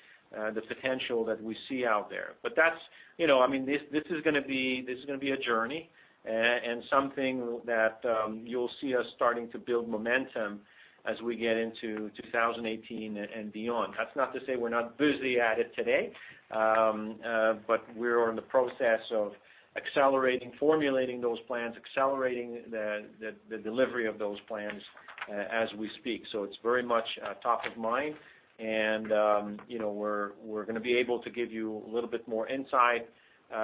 the potential that we see out there. But that's, I mean, this is going to be a journey and something that you'll see us starting to build momentum as we get into 2018 and beyond. That's not to say we're not busy at it today, but we're in the process of accelerating formulating those plans, accelerating the delivery of those plans as we speak. So it's very much top of mind. And we're going to be able to give you a little bit more insight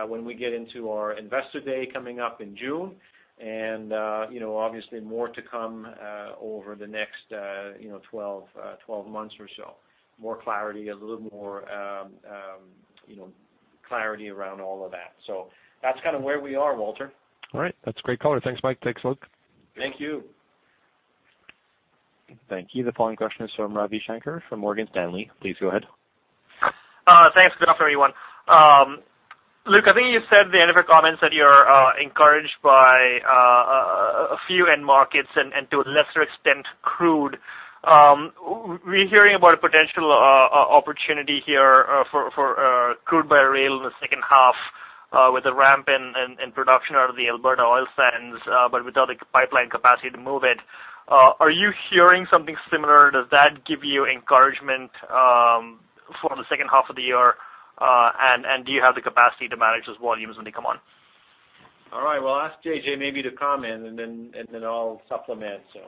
when we get into our investor day coming up in June. And obviously, more to come over the next 12 months or so. More clarity, a little more clarity around all of that. So that's kind of where we are, Walter. All right. That's great color. Thanks, Mike. Thanks, Luke. Thank you. Thank you. The following question is from Ravi Shanker from Morgan Stanley. Please go ahead. Thanks, Jeff, everyone. Luc, I think you said in your comments that you're encouraged by a few end markets and to a lesser extent crude. We're hearing about a potential opportunity here for crude by rail in the second half with the ramp in production out of the Alberta oil sands, but without the pipeline capacity to move it. Are you hearing something similar? Does that give you encouragement for the second half of the year? And do you have the capacity to manage those volumes when they come on? All right. Well, ask J.J. maybe to comment, and then I'll supplement, so.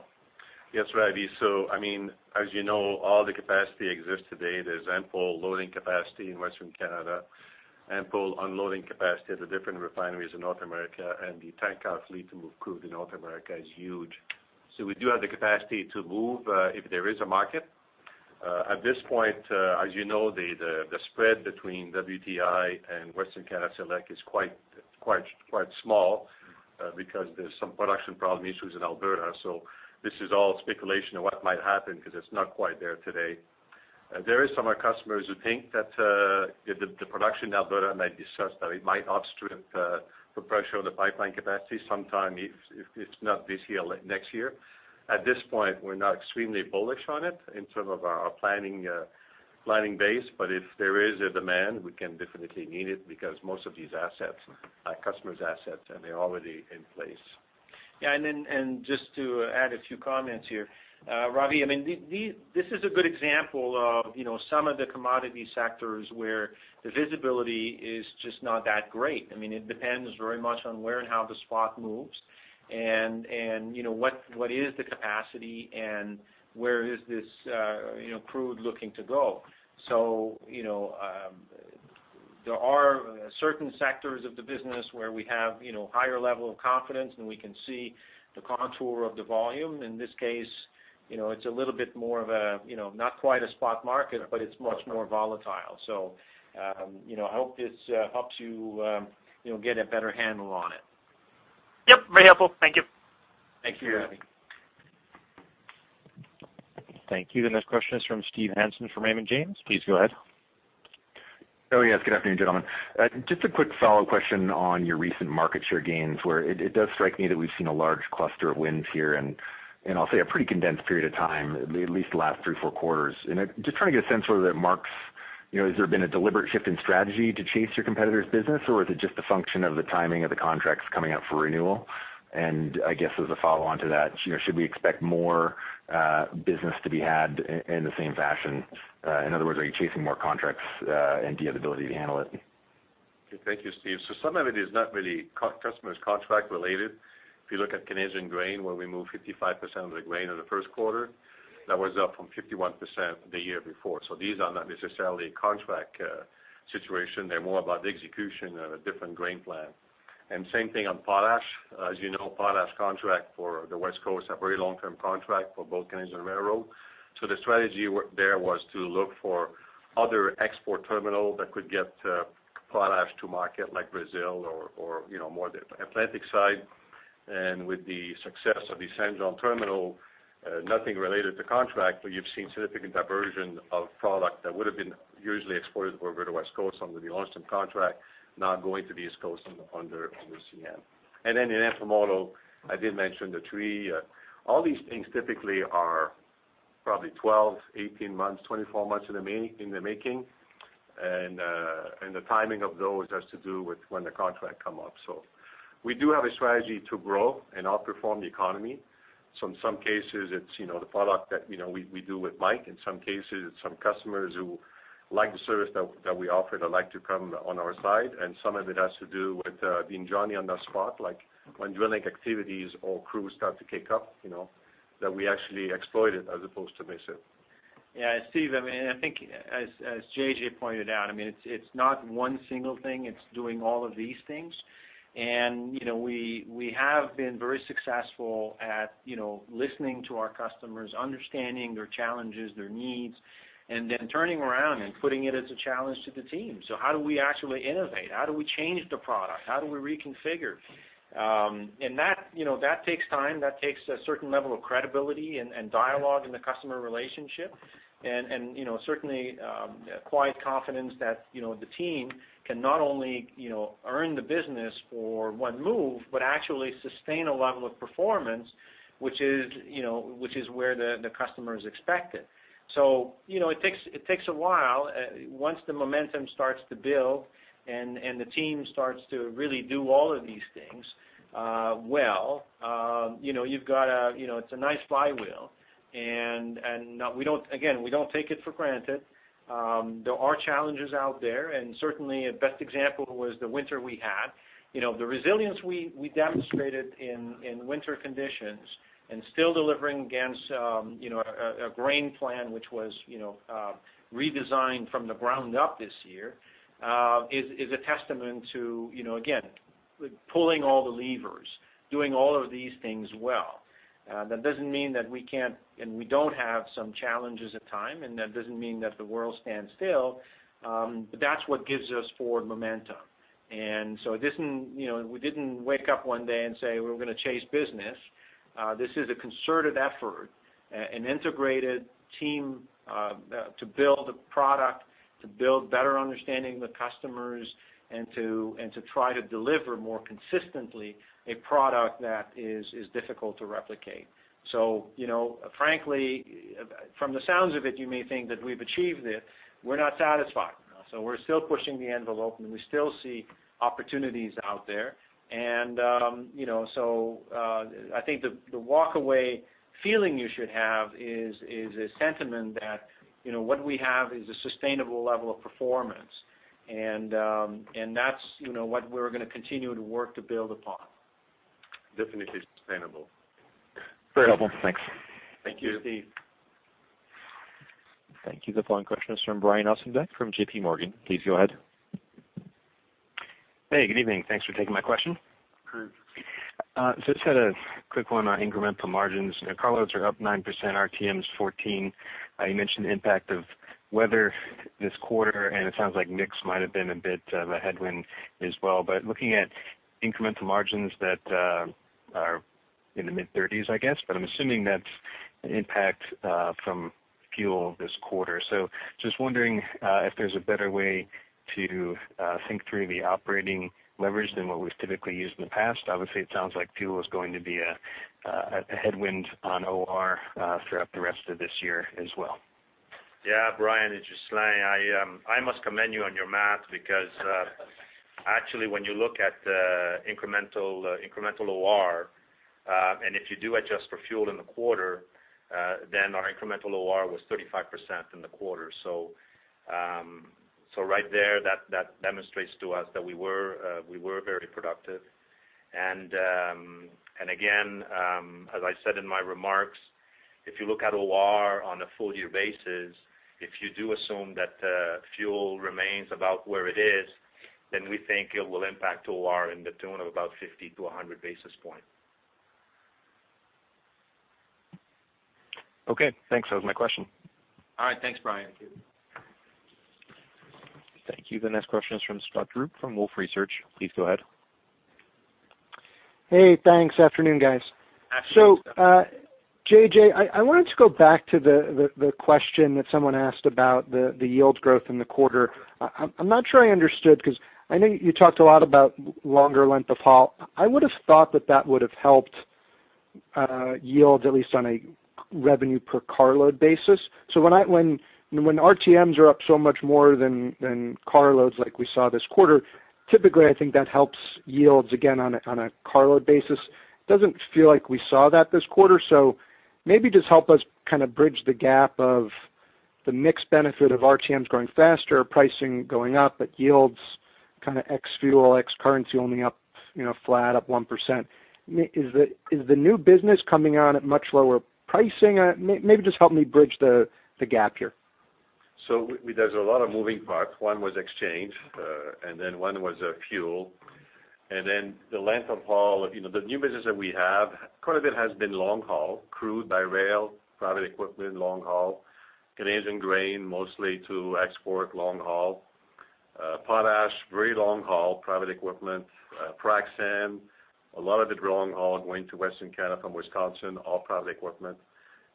Yes, Ravi. So I mean, as you know, all the capacity exists today. There's ample loading capacity in Western Canada, ample unloading capacity at the different refineries in North America. And the tank car fleet to move crude in North America is huge. So we do have the capacity to move if there is a market. At this point, as you know, the spread between WTI and Western Canadian Select is quite small because there's some production problem issues in Alberta. So this is all speculation of what might happen because it's not quite there today. There are some of our customers who think that the production in Alberta might be such that it might outstrip the pressure on the pipeline capacity sometime, if not this year, next year. At this point, we're not extremely bullish on it in terms of our planning base. If there is a demand, we can definitely meet it because most of these assets, our customers' assets, and they're already in place. Yeah. And just to add a few comments here, Ravi, I mean, this is a good example of some of the commodity sectors where the visibility is just not that great. I mean, it depends very much on where and how the spot moves and what is the capacity and where is this crude looking to go. So there are certain sectors of the business where we have a higher level of confidence, and we can see the contour of the volume. In this case, it's a little bit more of a not quite a spot market, but it's much more volatile. So I hope this helps you get a better handle on it. Yep. Very helpful. Thank you. Thank you, Ravi. Thank you. The next question is from Steven Hansen from Raymond James. Please go ahead. Oh, yes. Good afternoon, gentlemen. Just a quick follow-up question on your recent market share gains, where it does strike me that we've seen a large cluster of wins here in, I'll say, a pretty condensed period of time, at least the last three, four quarters. And just trying to get a sense whether it marks. Has there been a deliberate shift in strategy to chase your competitor's business, or is it just a function of the timing of the contracts coming up for renewal? And I guess as a follow-on to that, should we expect more business to be had in the same fashion? In other words, are you chasing more contracts and do you have the ability to handle it? Okay. Thank you, Steve. So some of it is not really customers' contract-related. If you look at Canadian grain, where we moved 55% of the grain in the first quarter, that was up from 51% the year before. So these are not necessarily contract situations. They're more about the execution of a different grain plan. And same thing on potash. As you know, potash contract for the West Coast, a very long-term contract for both Canadian and Railroad. So the strategy there was to look for other export terminals that could get potash to market, like Brazil or more the Atlantic side. And with the success of the Saint John terminal, nothing related to contract, but you've seen significant diversion of product that would have been usually exported over to the West Coast under the long-term contract, now going to the East Coast under CN. And then in intermodal, I did mention the three. All these things typically are probably 12, 18 months, 24 months in the making. And the timing of those has to do with when the contract comes up. So we do have a strategy to grow and outperform the economy. So in some cases, it's the product that we do with Mike. In some cases, it's some customers who like the service that we offer that like to come on our side. And some of it has to do with being Johnny on the spot, like when drilling activities or crews start to kick up, that we actually exploit it as opposed to miss it. Yeah. And Steve, I mean, I think, as J.J. pointed out, I mean, it's not one single thing. It's doing all of these things. And we have been very successful at listening to our customers, understanding their challenges, their needs, and then turning around and putting it as a challenge to the team. So how do we actually innovate? How do we change the product? How do we reconfigure? And that takes time. That takes a certain level of credibility and dialogue in the customer relationship. And certainly, quiet confidence that the team can not only earn the business for one move, but actually sustain a level of performance, which is where the customer is expected. So it takes a while. Once the momentum starts to build and the team starts to really do all of these things well, you've got a it's a nice flywheel. And again, we don't take it for granted. There are challenges out there. And certainly, a best example was the winter we had. The resilience we demonstrated in winter conditions and still delivering against a grain plan, which was redesigned from the ground up this year, is a testament to, again, pulling all the levers, doing all of these things well. That doesn't mean that we can't and we don't have some challenges at times. And that doesn't mean that the world stands still. But that's what gives us forward momentum. And so we didn't wake up one day and say, "We're going to chase business." This is a concerted effort, an integrated team to build a product, to build better understanding of the customers, and to try to deliver more consistently a product that is difficult to replicate. So frankly, from the sounds of it, you may think that we've achieved it. We're not satisfied. So we're still pushing the envelope, and we still see opportunities out there. And so I think the walk-away feeling you should have is a sentiment that what we have is a sustainable level of performance. And that's what we're going to continue to work to build upon. Definitely sustainable. Very helpful. Thanks. Thank you, Steve. Thank you. The following question is from Brian Ossenbeck from JPMorgan. Please go ahead. Hey, good evening. Thanks for taking my question. Sure. So just had a quick one on incremental margins. Carloads are up 9%. RTMs up 14%. You mentioned the impact of weather this quarter, and it sounds like mix might have been a bit of a headwind as well. But looking at incremental margins that are in the mid-30s%, I guess, but I'm assuming that's impact from fuel this quarter. So just wondering if there's a better way to think through the operating leverage than what was typically used in the past. Obviously, it sounds like fuel is going to be a headwind on OR throughout the rest of this year as well. Yeah. Brian, it's Ghislain. I must commend you on your math because actually, when you look at incremental OR, and if you do adjust for fuel in the quarter, then our incremental OR was 35% in the quarter. So right there, that demonstrates to us that we were very productive. And again, as I said in my remarks, if you look at OR on a full-year basis, if you do assume that fuel remains about where it is, then we think it will impact OR in the tune of about 50 to 100 basis points. Okay. Thanks. That was my question. All right. Thanks, Brian. Thank you. The next question is from Scott Group from Wolfe Research. Please go ahead. Hey. Thanks. Afternoon, guys. Afternoon, Stef. J.J., I wanted to go back to the question that someone asked about the yield growth in the quarter. I'm not sure I understood because I know you talked a lot about longer length of haul. I would have thought that that would have helped yields, at least on a revenue per carload basis. So when RTMs are up so much more than carloads like we saw this quarter, typically, I think that helps yields again on a carload basis. Doesn't feel like we saw that this quarter. So maybe just help us kind of bridge the gap of the mixed benefit of RTMs going faster, pricing going up, but yields kind of ex-fuel, ex-currency only up flat, up 1%. Is the new business coming on at much lower pricing? Maybe just help me bridge the gap here? There's a lot of moving parts. One was exchange, and then one was fuel. Then the length of haul, the new business that we have, quite a bit has been long-haul, crude by rail, private equipment, long-haul, Canadian grain, mostly to export, long-haul, potash, very long-haul, private equipment, frac sand, a lot of it long-haul going to Western Canada from Wisconsin, all private equipment.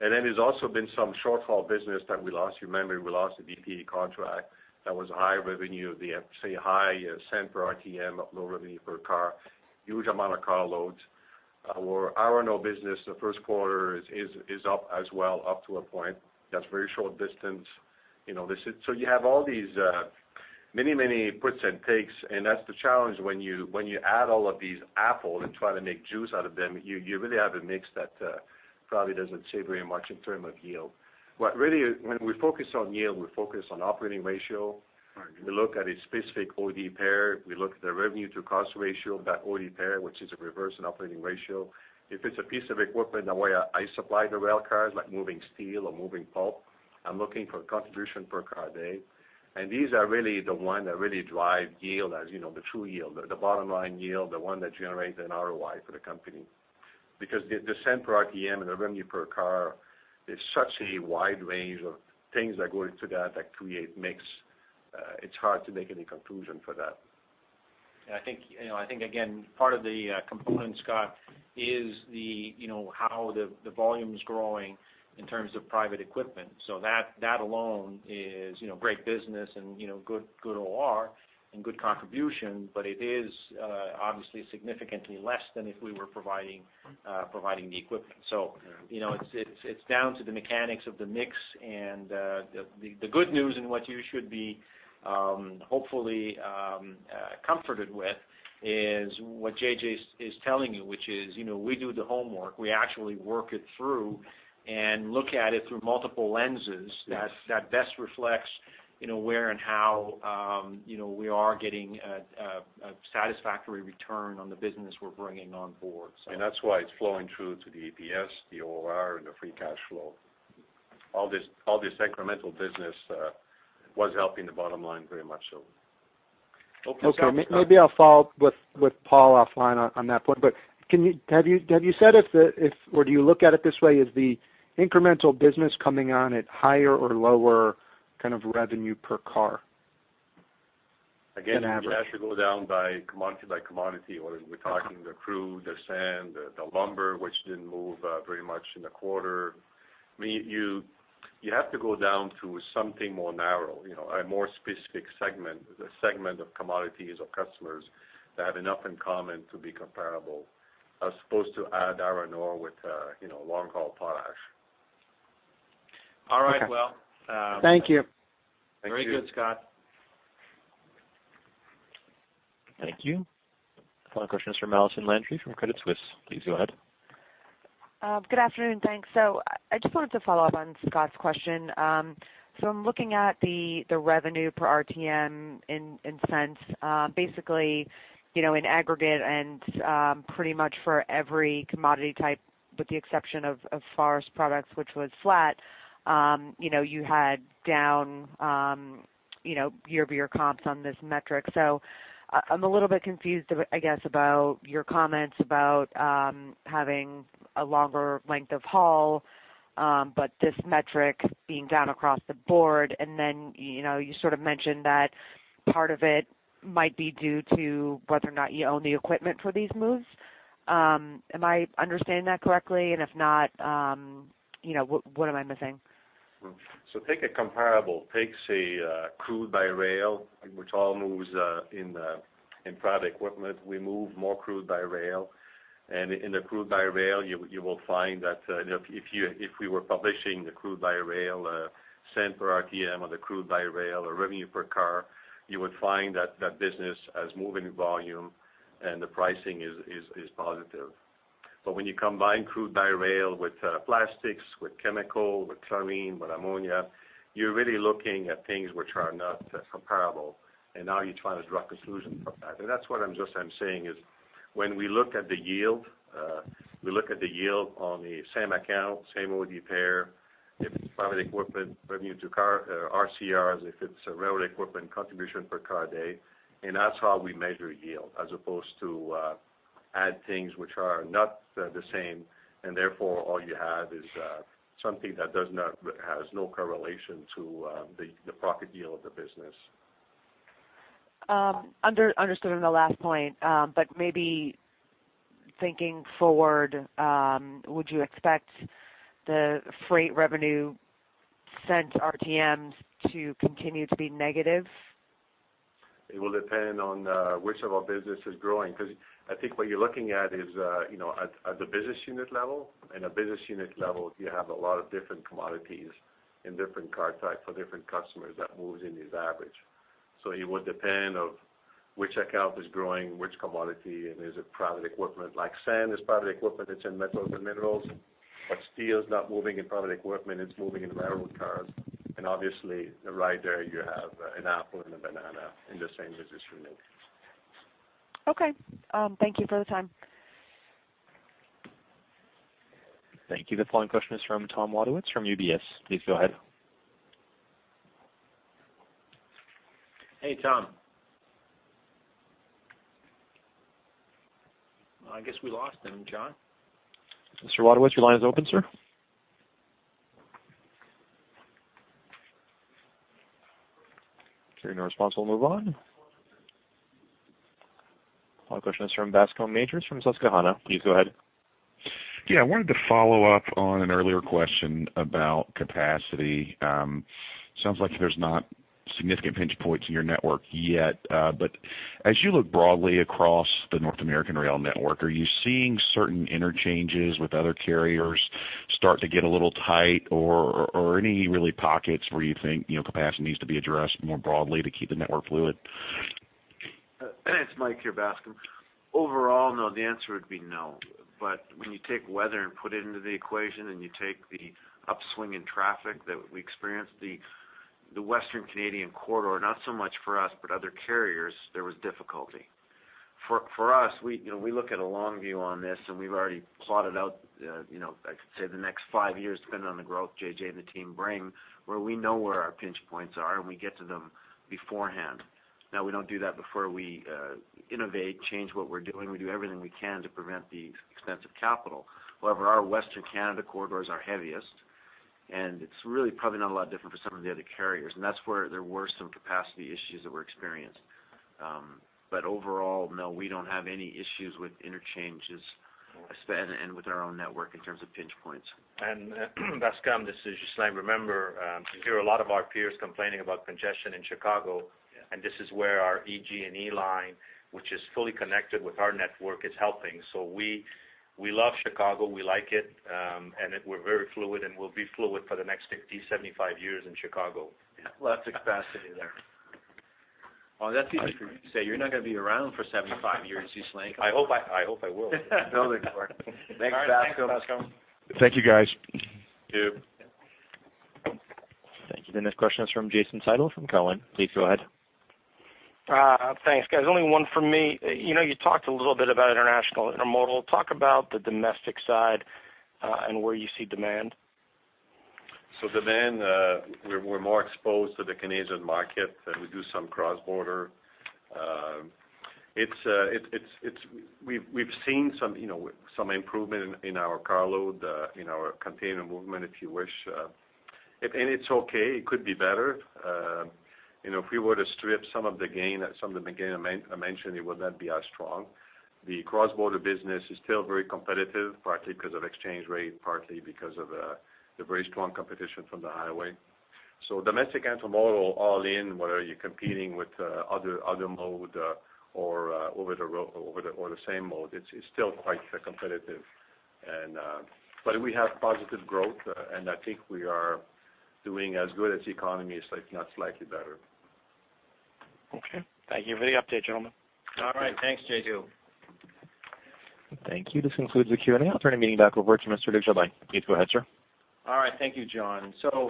Then there's also been some short-haul business that we lost. You remember we lost the DP contract that was high revenue, say, high cents per RTM, low revenue per car, huge amount of carloads. Our auto business the first quarter is up as well, up to a point. That's very short distance. You have all these many, many puts and takes. That's the challenge when you add all of these apples and try to make juice out of them. You really have a mix that probably doesn't save very much in terms of yield. But really, when we focus on yield, we focus on operating ratio. We look at a specific OD pair. We look at the revenue-to-cost ratio of that OD pair, which is the reverse of the operating ratio. If it's a piece of equipment that way I supply the rail cars, like moving steel or moving pulp, I'm looking for a contribution per car a day. And these are really the ones that really drive yield, the true yield, the bottom-line yield, the one that generates an ROI for the company. Because the cents per RTM and the revenue per car is such a wide range of things that go into that that create mix. It's hard to make any conclusion for that. I think, again, part of the component, Scott, is how the volume is growing in terms of private equipment. So that alone is great business and good OR and good contribution, but it is obviously significantly less than if we were providing the equipment. So it's down to the mechanics of the mix. And the good news and what you should be hopefully comforted with is what J.J. is telling you, which is we do the homework. We actually work it through and look at it through multiple lenses that best reflects where and how we are getting a satisfactory return on the business we're bringing on board. And that's why it's flowing through to the EPS, the OR, and the free cash flow. All this incremental business was helping the bottom line very much so. Okay. Maybe I'll follow up with Paul offline on that point. But have you said if or do you look at it this way as the incremental business coming on at higher or lower kind of revenue per car than average? Again, it has to go down by commodity by commodity. We're talking the crude, the sand, the lumber, which didn't move very much in the quarter. I mean, you have to go down to something more narrow, a more specific segment of commodities or customers that have enough in common to be comparable as opposed to add iron ore with long-haul potash. All right. Well. Thank you. Thank you. Very good, Scott. Thank you. The following question is from Alison Landry from Credit Suisse. Please go ahead. Good afternoon. Thanks. So I just wanted to follow up on Scott's question. So I'm looking at the revenue per RTM in essence. Basically, in aggregate, and pretty much for every commodity type, with the exception of forest products, which was flat, you had down year-over-year comps on this metric. So I'm a little bit confused, I guess, about your comments about having a longer length of haul, but this metric being down across the board. And then you sort of mentioned that part of it might be due to whether or not you own the equipment for these moves. Am I understanding that correctly? And if not, what am I missing? So take a comparable. Take, say, crude by rail, which all moves in private equipment. We move more crude by rail. And in the crude by rail, you will find that if we were publishing the crude by rail cents per RTM, or the crude by rail revenue per car, you would find that that business has moving volume, and the pricing is positive. But when you combine crude by rail with plastics, with chemical, with chlorine, with ammonia, you're really looking at things which are not comparable. And now you're trying to draw a conclusion from that. And that's what I'm just saying is when we look at the yield, we look at the yield on the same account, same OD pair, if it's private equipment, revenue per car, RCRs, if it's rail equipment, contribution per car a day. That's how we measure yield, as opposed to add things which are not the same. Therefore, all you have is something that has no correlation to the profit yield of the business. Understood on the last point. But maybe thinking forward, would you expect the freight revenue per RTMs to continue to be negative? It will depend on which of our business is growing. Because I think what you're looking at is at the business unit level. At business unit level, you have a lot of different commodities and different car types for different customers that moves in these average. So it will depend on which account is growing, which commodity, and is it private equipment. Like sand is private equipment. It's in metals and minerals. But steel is not moving in private equipment. It's moving in railroad cars. And obviously, right there, you have an apple and a banana in the same business unit. Okay. Thank you for the time. Thank you. The following question is from Thomas Wadewitz from UBS. Please go ahead. Hey, Tom. I guess we lost him, John. Mr. Wadewitz, your line is open, sir. If you're not responsible, move on. The following question is from Bascome Majors from Susquehanna. Please go ahead. Yeah. I wanted to follow up on an earlier question about capacity. Sounds like there's not significant pinch points in your network yet. But as you look broadly across the North American rail network, are you seeing certain interchanges with other carriers start to get a little tight, or any really pockets where you think capacity needs to be addressed more broadly to keep the network fluid? Thanks, Mike. Here, Bascome. Overall, no, the answer would be no. But when you take weather and put it into the equation, and you take the upswing in traffic that we experienced, the Western Canadian corridor, not so much for us, but other carriers, there was difficulty. For us, we look at a long view on this, and we've already plotted out, I could say, the next five years, depending on the growth J.J. and the team bring, where we know where our pinch points are, and we get to them beforehand. Now, we don't do that before we innovate, change what we're doing. We do everything we can to prevent the expense of capital. However, our Western Canada corridors are heaviest, and it's really probably not a lot different for some of the other carriers. And that's where there were some capacity issues that were experienced. But overall, no, we don't have any issues with interchanges and with our own network in terms of pinch points. And Bascome, this is just saying, remember, you hear a lot of our peers complaining about congestion in Chicago, and this is where our EJ&E line, which is fully connected with our network, is helping. So we love Chicago. We like it. And we're very fluid, and we'll be fluid for the next 50, 75 years in Chicago. Lots of capacity there. Well, that's easy for you to say. You're not going to be around for 75 years, Ghislain. I hope I will. Building for it. Thanks, Bascome. Thanks, Bascome. Thank you, guys. You too. Thank you. The next question is from Jason Seidl from Cowen. Please go ahead. Thanks, guys. Only one for me. You talked a little bit about international intermodal. Talk about the domestic side and where you see demand. So demand, we're more exposed to the Canadian market. We do some cross-border. We've seen some improvement in our carload, in our container movement, if you wish. And it's okay. It could be better. If we were to strip some of the gain that some of Jean mentioned, it would not be as strong. The cross-border business is still very competitive, partly because of exchange rate, partly because of the very strong competition from the highway. So domestic intermodal, all in, whether you're competing with other mode or over the same mode, it's still quite competitive. But we have positive growth, and I think we are doing as good as economies, if not slightly better. Okay. Thank you. Very updated, gentlemen. All right. Thanks, J.J. Thank you. This concludes the Q&A. I'll turn the meeting back over to Mr. Luc Jobin. Please go ahead, sir. All right. Thank you, John. So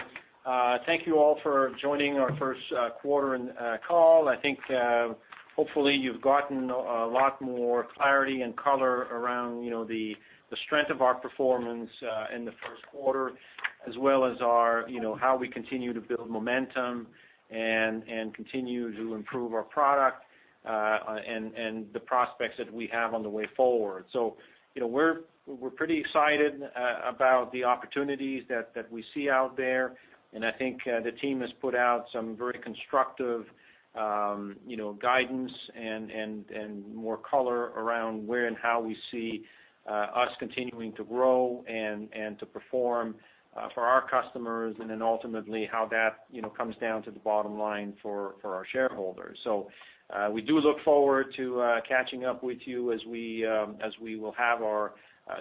thank you all for joining our first quarter call. I think, hopefully, you've gotten a lot more clarity and color around the strength of our performance in the first quarter, as well as how we continue to build momentum and continue to improve our product and the prospects that we have on the way forward. So we're pretty excited about the opportunities that we see out there. And I think the team has put out some very constructive guidance and more color around where and how we see us continuing to grow and to perform for our customers, and then ultimately how that comes down to the bottom line for our shareholders. So we do look forward to catching up with you as we will have our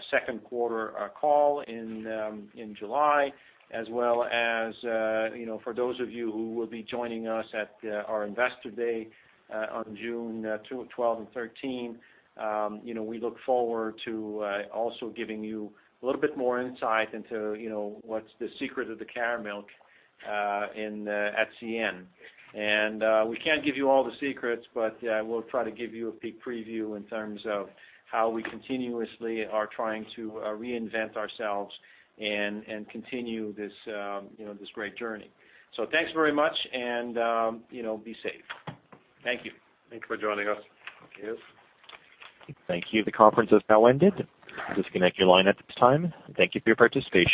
second quarter call in July, as well as for those of you who will be joining us at our investor day on June 12th and 13th. We look forward to also giving you a little bit more insight into what's the secret of the Caramilk at CN. And we can't give you all the secrets, but we'll try to give you a peek preview in terms of how we continuously are trying to reinvent ourselves and continue this great journey. So thanks very much, and be safe. Thank you. Thanks for joining us. Thank you. Thank you. The conference has now ended. Disconnect your line at this time. Thank you for your participation.